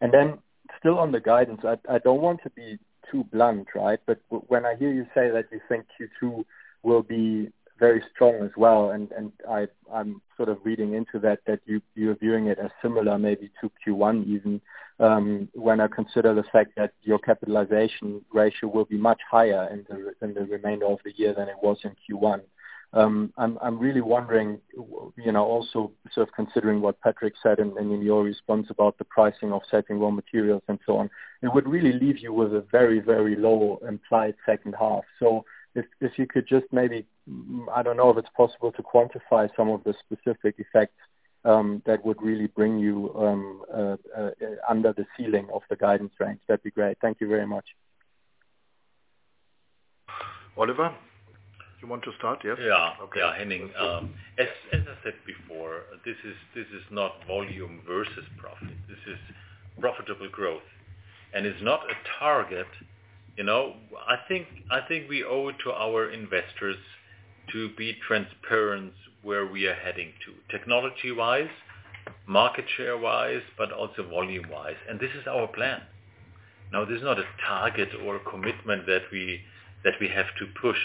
Then still on the guidance. I don't want to be too blunt, right? When I hear you say that you think Q2 will be very strong as well, and I'm sort of reading into that you're viewing it as similar maybe to Q1 even, when I consider the fact that your capitalization ratio will be much higher in the remainder of the year than it was in Q1. I'm really wondering, also sort of considering what Patrick said and in your response about the pricing of certain raw materials and so on, it would really leave you with a very, very low implied second half. If you could just maybe I don't know if it's possible to quantify some of the specific effects, that would really bring you under the ceiling of the guidance range. That'd be great. Thank you very much. Oliver, you want to start? Yes. Yeah. Okay. Henning. As I said before, this is not volume versus profit. This is profitable growth. It's not a target. I think we owe it to our investors to be transparent where we are heading to, technology-wise, market share-wise, but also volume-wise. This is our plan. Now, this is not a target or a commitment that we have to push.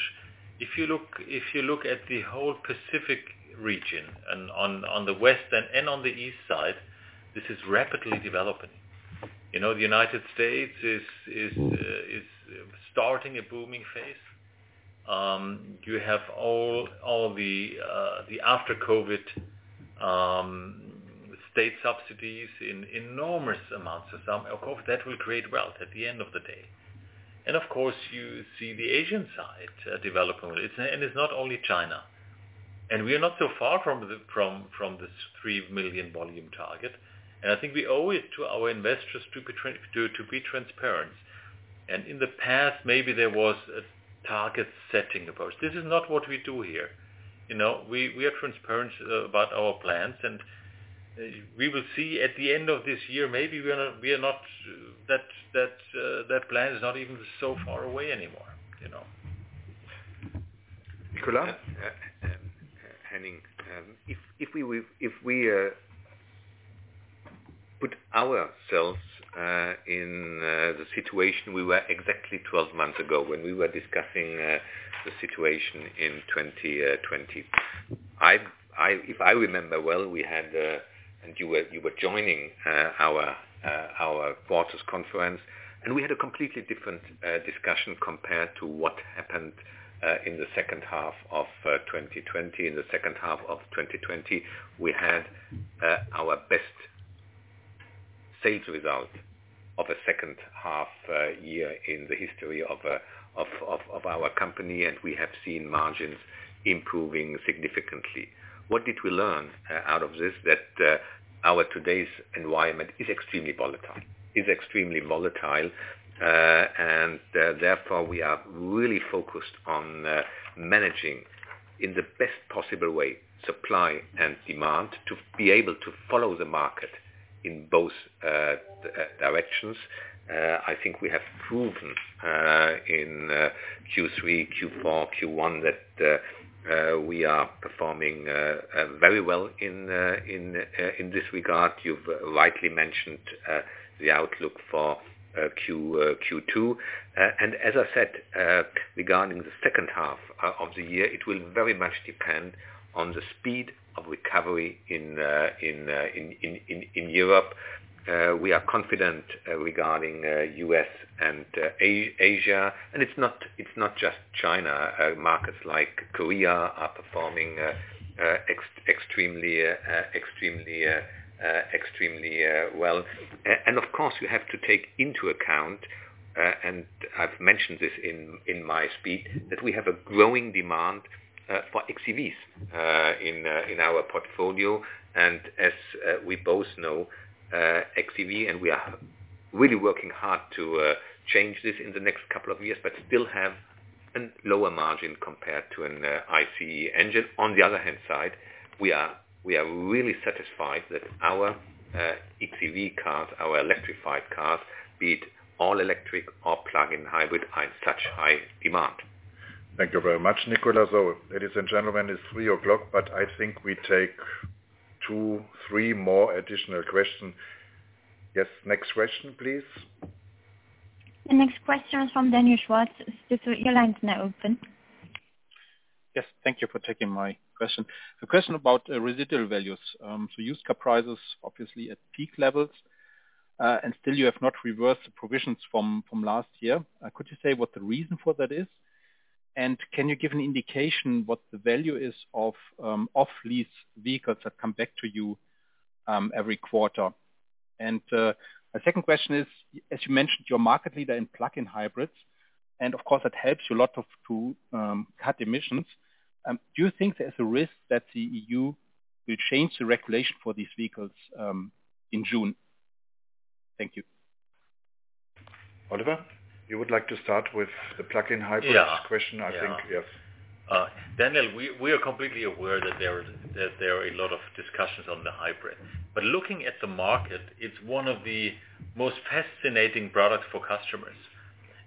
If you look at the whole Pacific region and on the west and on the east side, this is rapidly developing. The U.S. is starting a booming phase. You have all the after-COVID state subsidies in enormous amounts of some. Of course, that will create wealth at the end of the day. Of course, you see the Asian side developing, and it's not only China. We are not so far from this 3 million volume target. I think we owe it to our investors to be transparent. In the past, maybe there was a target-setting approach. This is not what we do here. We are transparent about our plans, and we will see at the end of this year, maybe that plan is not even so far away anymore. Nicolas. Henning, if we put ourselves in the situation we were exactly 12 months ago when we were discussing the situation in 2020. If I remember well, and you were joining our quarters conference, and we had a completely different discussion compared to what happened in the second half of 2020. In the second half of 2020, we had our best sales result of a second half year in the history of our company, and we have seen margins improving significantly. What did we learn out of this? That our today's environment is extremely volatile, and therefore we are really focused on managing in the best possible way, supply and demand to be able to follow the market in both directions. I think we have proven in Q3, Q4, Q1 that we are performing very well in this regard. You've rightly mentioned the outlook for Q2. As I said, regarding the second half of the year, it will very much depend on the speed of recovery in Europe. We are confident regarding U.S. and Asia. It's not just China. Markets like Korea are performing extremely well. Of course, you have to take into account, and I've mentioned this in my speech, that we have a growing demand for xEVs in our portfolio. As we both know, xEV, and we are really working hard to change this in the next couple of years, but still have a lower margin compared to an ICE engine. On the other hand side, we are really satisfied that our xEV cars, our electrified cars, be it all electric or plug-in hybrid, are in such high demand. Thank you very much, Nicolas. Ladies and gentlemen, it's three o'clock, but I think we take two, three more additional questions. Yes, next question, please. The next question is from Daniel Schwarz of Citigroup. Your line is now open. Yes. Thank you for taking my question. A question about residual values. Used car prices obviously at peak levels, and still you have not reversed the provisions from last year. Could you say what the reason for that is? Can you give an indication what the value is of lease vehicles that come back to you every quarter? My second question is, as you mentioned, you're a market leader in plug-in hybrids, and of course, that helps you a lot to cut emissions. Do you think there's a risk that the EU will change the regulation for these vehicles in June? Thank you. Oliver? You would like to start with the plug-in hybrids question, I think. Daniel, we are completely aware that there are a lot of discussions on the hybrids. Looking at the market, it's one of the most fascinating products for customers.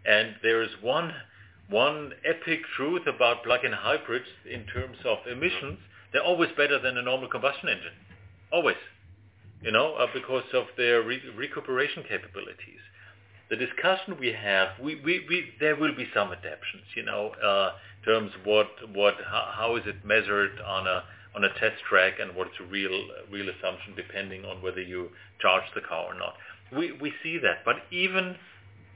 There is one epic truth about plug-in hybrids in terms of emissions, they're always better than a normal combustion engine. Always. Because of their recuperation capabilities. The discussion we have, there will be some adaptations. In terms of how is it measured on a test track and what's a real assumption, depending on whether you charge the car or not. We see that, but even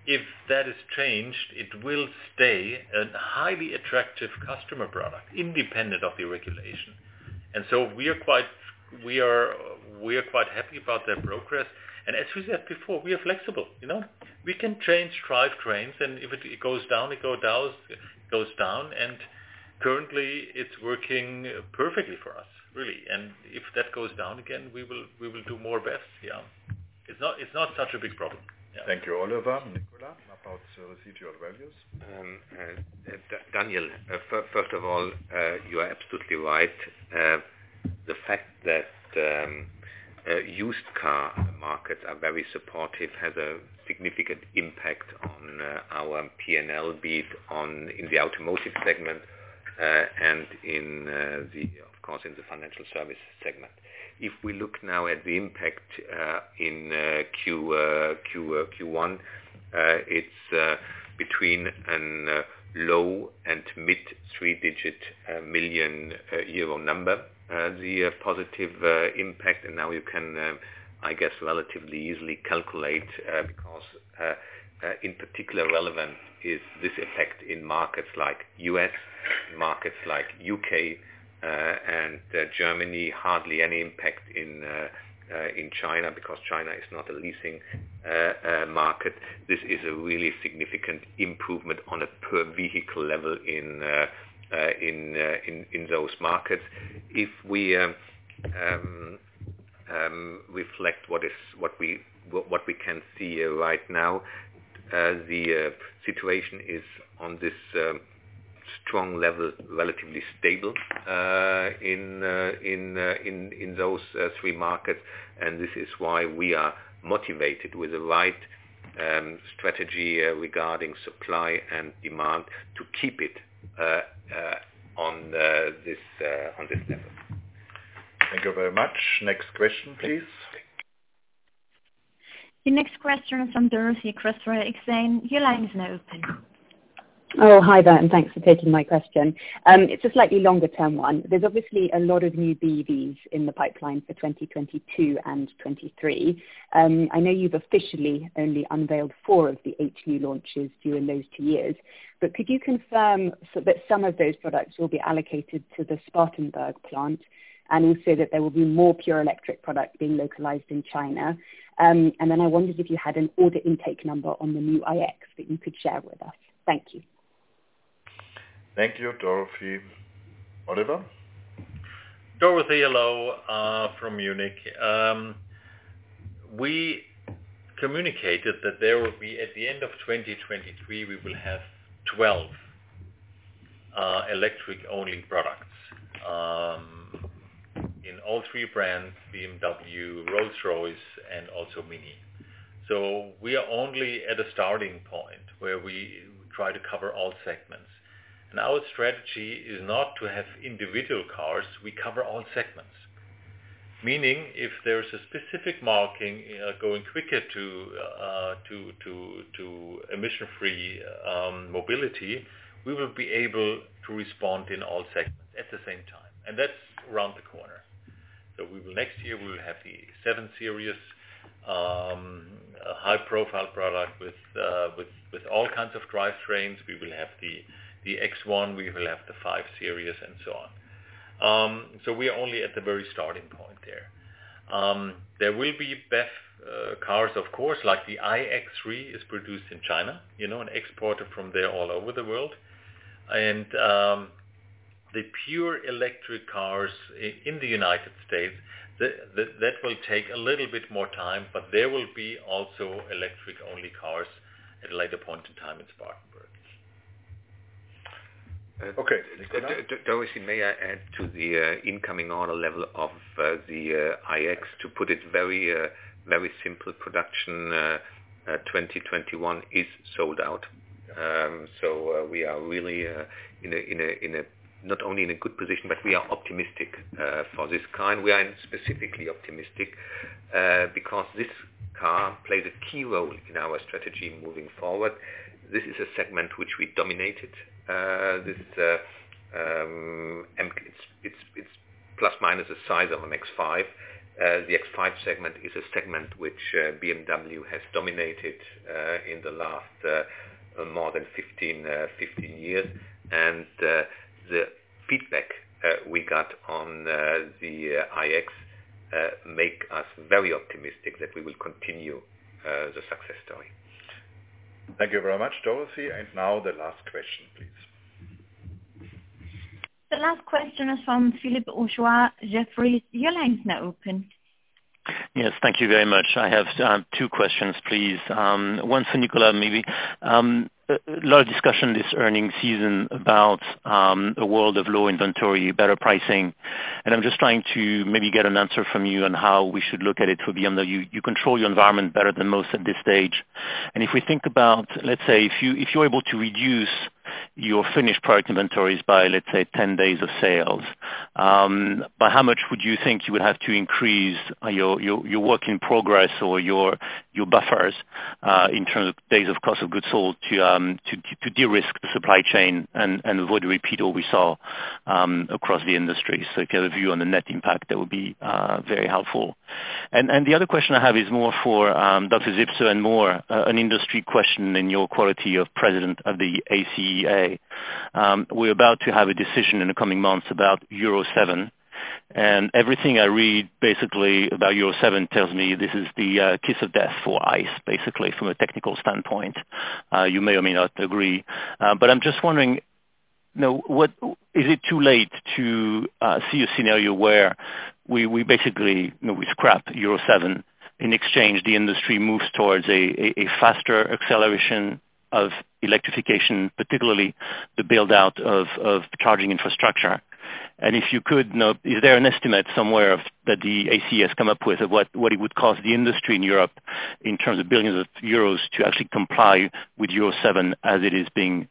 if that is changed, it will stay a highly attractive customer product, independent of the regulation. We are quite happy about that progress. As we said before, we are flexible. We can change drivetrains, and if it goes down, it goes down. Currently, it's working perfectly for us, really. If that goes down again, we will do more BEVs, yeah. It's not such a big problem. Yeah. Thank you, Oliver. Nicolas, about residual values. Daniel, first of all, you are absolutely right. The fact that used car markets are very supportive has a significant impact on our P&L, be it in the automotive segment, and of course, in the financial service segment. If we look now at the impact in Q1, it's between a low and mid three-digit million EUR number. The positive impact, and now you can, I guess, relatively easily calculate, because in particular relevance is this effect in markets like U.S., markets like U.K. and Germany. Hardly any impact in China, because China is not a leasing market. This is a really significant improvement on a per vehicle level in those markets. If we reflect what we can see right now, the situation is on this strong level, relatively stable in those three markets. This is why we are motivated with a light strategy regarding supply and demand to keep it on this level. Thank you very much, Dorothy. Now the last question, please. The last question is from Philippe Houchois, Jefferies. Your line is now open. Yes. Thank you very much. I have two questions, please. One for Nicolas Peter, maybe. A lot of discussion this earning season about a world of low inventory, better pricing, and I'm just trying to maybe get an answer from you on how we should look at it. You control your environment better than most at this stage. If we think about, let's say, if you're able to reduce your finished product inventories by, let's say, 10 days of sales. By how much would you think you would have to increase your work in progress or your buffers, in terms of days of cost of goods sold to de-risk the supply chain and avoid a repeat of what we saw across the industry? If you have a view on the net impact, that would be very helpful. The other question I have is more for Dr. Zipse and more an industry question in your quality of president of the ACEA. We're about to have a decision in the coming months about Euro 7, and everything I read basically about Euro 7 tells me this is the kiss of death for ICE, basically, from a technical standpoint. You may or may not agree. I'm just wondering, is it too late to see a scenario where we basically scrap Euro 7? In exchange, the industry moves towards a faster acceleration of electrification, particularly the build-out of charging infrastructure. If you could, is there an estimate somewhere that the ACEA has come up with of what it would cost the industry in Europe in terms of billions of EUR to actually comply with Euro 7 as it is being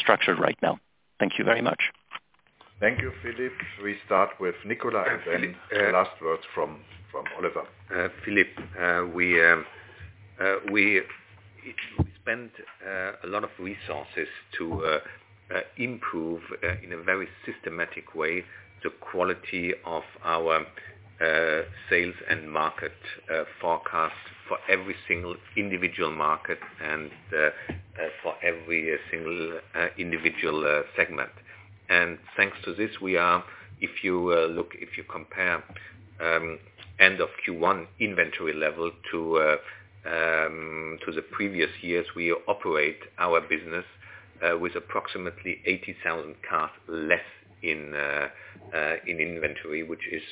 structured right now? Thank you very much. Thank you, Philippe. We start with Nicolas and the last words from Oliver. Philippe, we spent a lot of resources to improve, in a very systematic way, the quality of our sales and market forecast for every single individual market and for every single individual segment. Thanks to this, if you compare end of Q1 inventory level to the previous years, we operate our business with approximately 80,000 cars less in inventory, which is,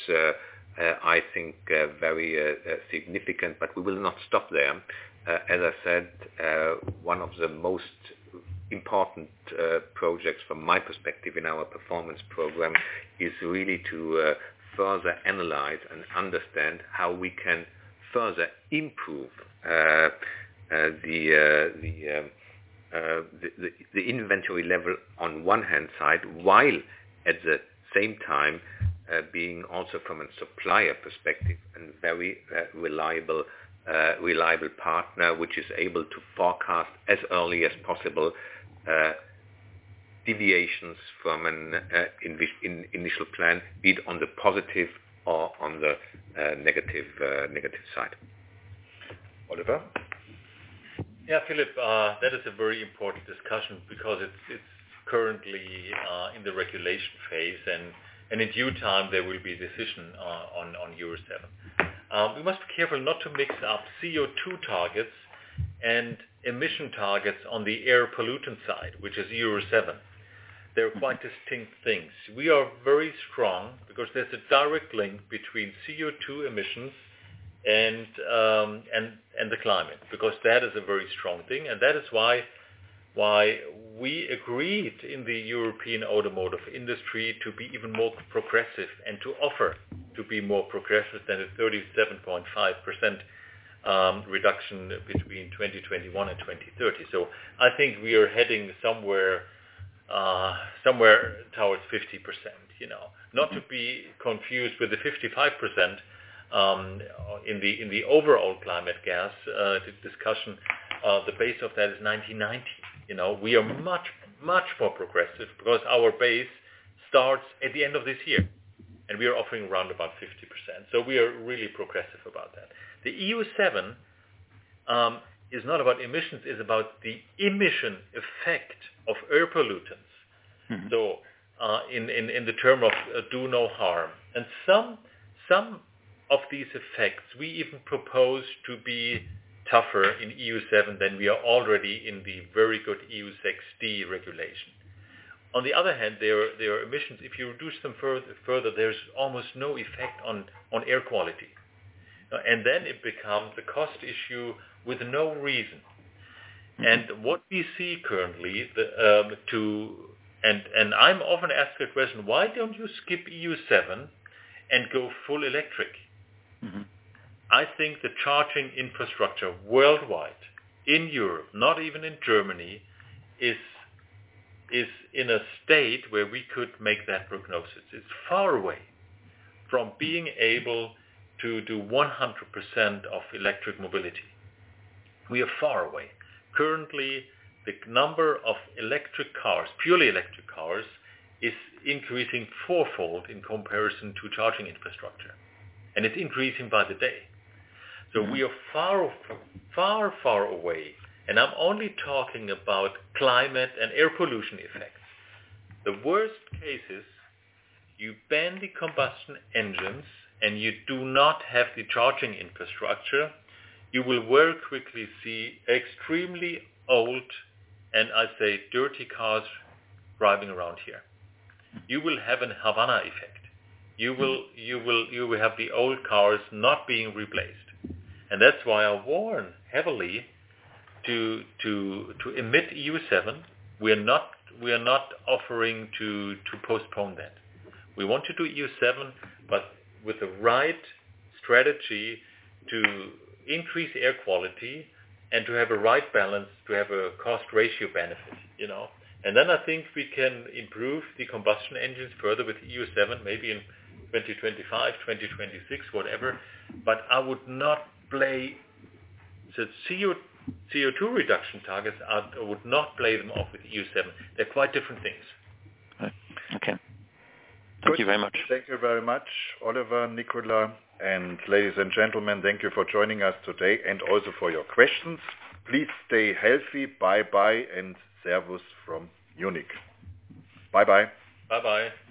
I think, very significant, but we will not stop there. As I said, one of the most important projects from my perspective in our performance program is really to further analyze and understand how we can further improve the inventory level on one hand side, while at the same time being also from a supplier perspective and very reliable partner, which is able to forecast as early as possible deviations from an initial plan, be it on the positive or on the negative side. Oliver. Philippe, that is a very important discussion because it's currently in the regulation phase, and in due time, there will be a decision on Euro 7. We must be careful not to mix up CO2 targets and emission targets on the air pollutant side, which is Euro 7. They're quite distinct things. We are very strong because there's a direct link between CO2 emissions and the climate, because that is a very strong thing. That is why we agreed in the European automotive industry to be even more progressive and to offer to be more progressive than a 37.5% reduction between 2021 and 2030. I think we are heading somewhere towards 50%. Not to be confused with the 55% in the overall climate gas discussion. The base of that is 1990. We are much, much more progressive because our base starts at the end of this year. We are offering around about 50%. We are really progressive about that. The Euro 7 is not about emissions, it's about the emission effect of air pollutants. In the term of do no harm. Some of these effects, we even propose to be tougher in Euro 7 than we are already in the very good Euro 6d regulation. On the other hand, there are emissions. If you reduce them further, there's almost no effect on air quality. Then it becomes a cost issue with no reason. What we see currently, and I'm often asked the question: Why don't you skip Euro 7 and go full electric? I think the charging infrastructure worldwide in Europe, not even in Germany, is in a state where we could make that prognosis. It's far away from being able to do 100% of electric mobility. We are far away. Currently, the number of electric cars, purely electric cars, is increasing fourfold in comparison to charging infrastructure, and it's increasing by the day. We are far, far away, and I'm only talking about climate and air pollution effects. The worst case is you ban the combustion engines and you do not have the charging infrastructure, you will very quickly see extremely old, and I say dirty cars driving around here. You will have a Havana effect. You will have the old cars not being replaced. That's why I warn heavily to omit Euro 7. We are not offering to postpone that. We want to do Euro 7, but with the right strategy to increase air quality and to have a right balance, to have a cost ratio benefit. Then I think we can improve the combustion engines further with Euro 7, maybe in 2025, 2026, whatever. I would not play the CO2 reduction targets, I would not play them off with Euro 7. They're quite different things. Okay. Thank you very much. Thank you very much, Oliver, Nicolas, and ladies and gentlemen, thank you for joining us today and also for your questions. Please stay healthy. Bye-bye, and servus from Munich. Bye-bye. Bye-bye.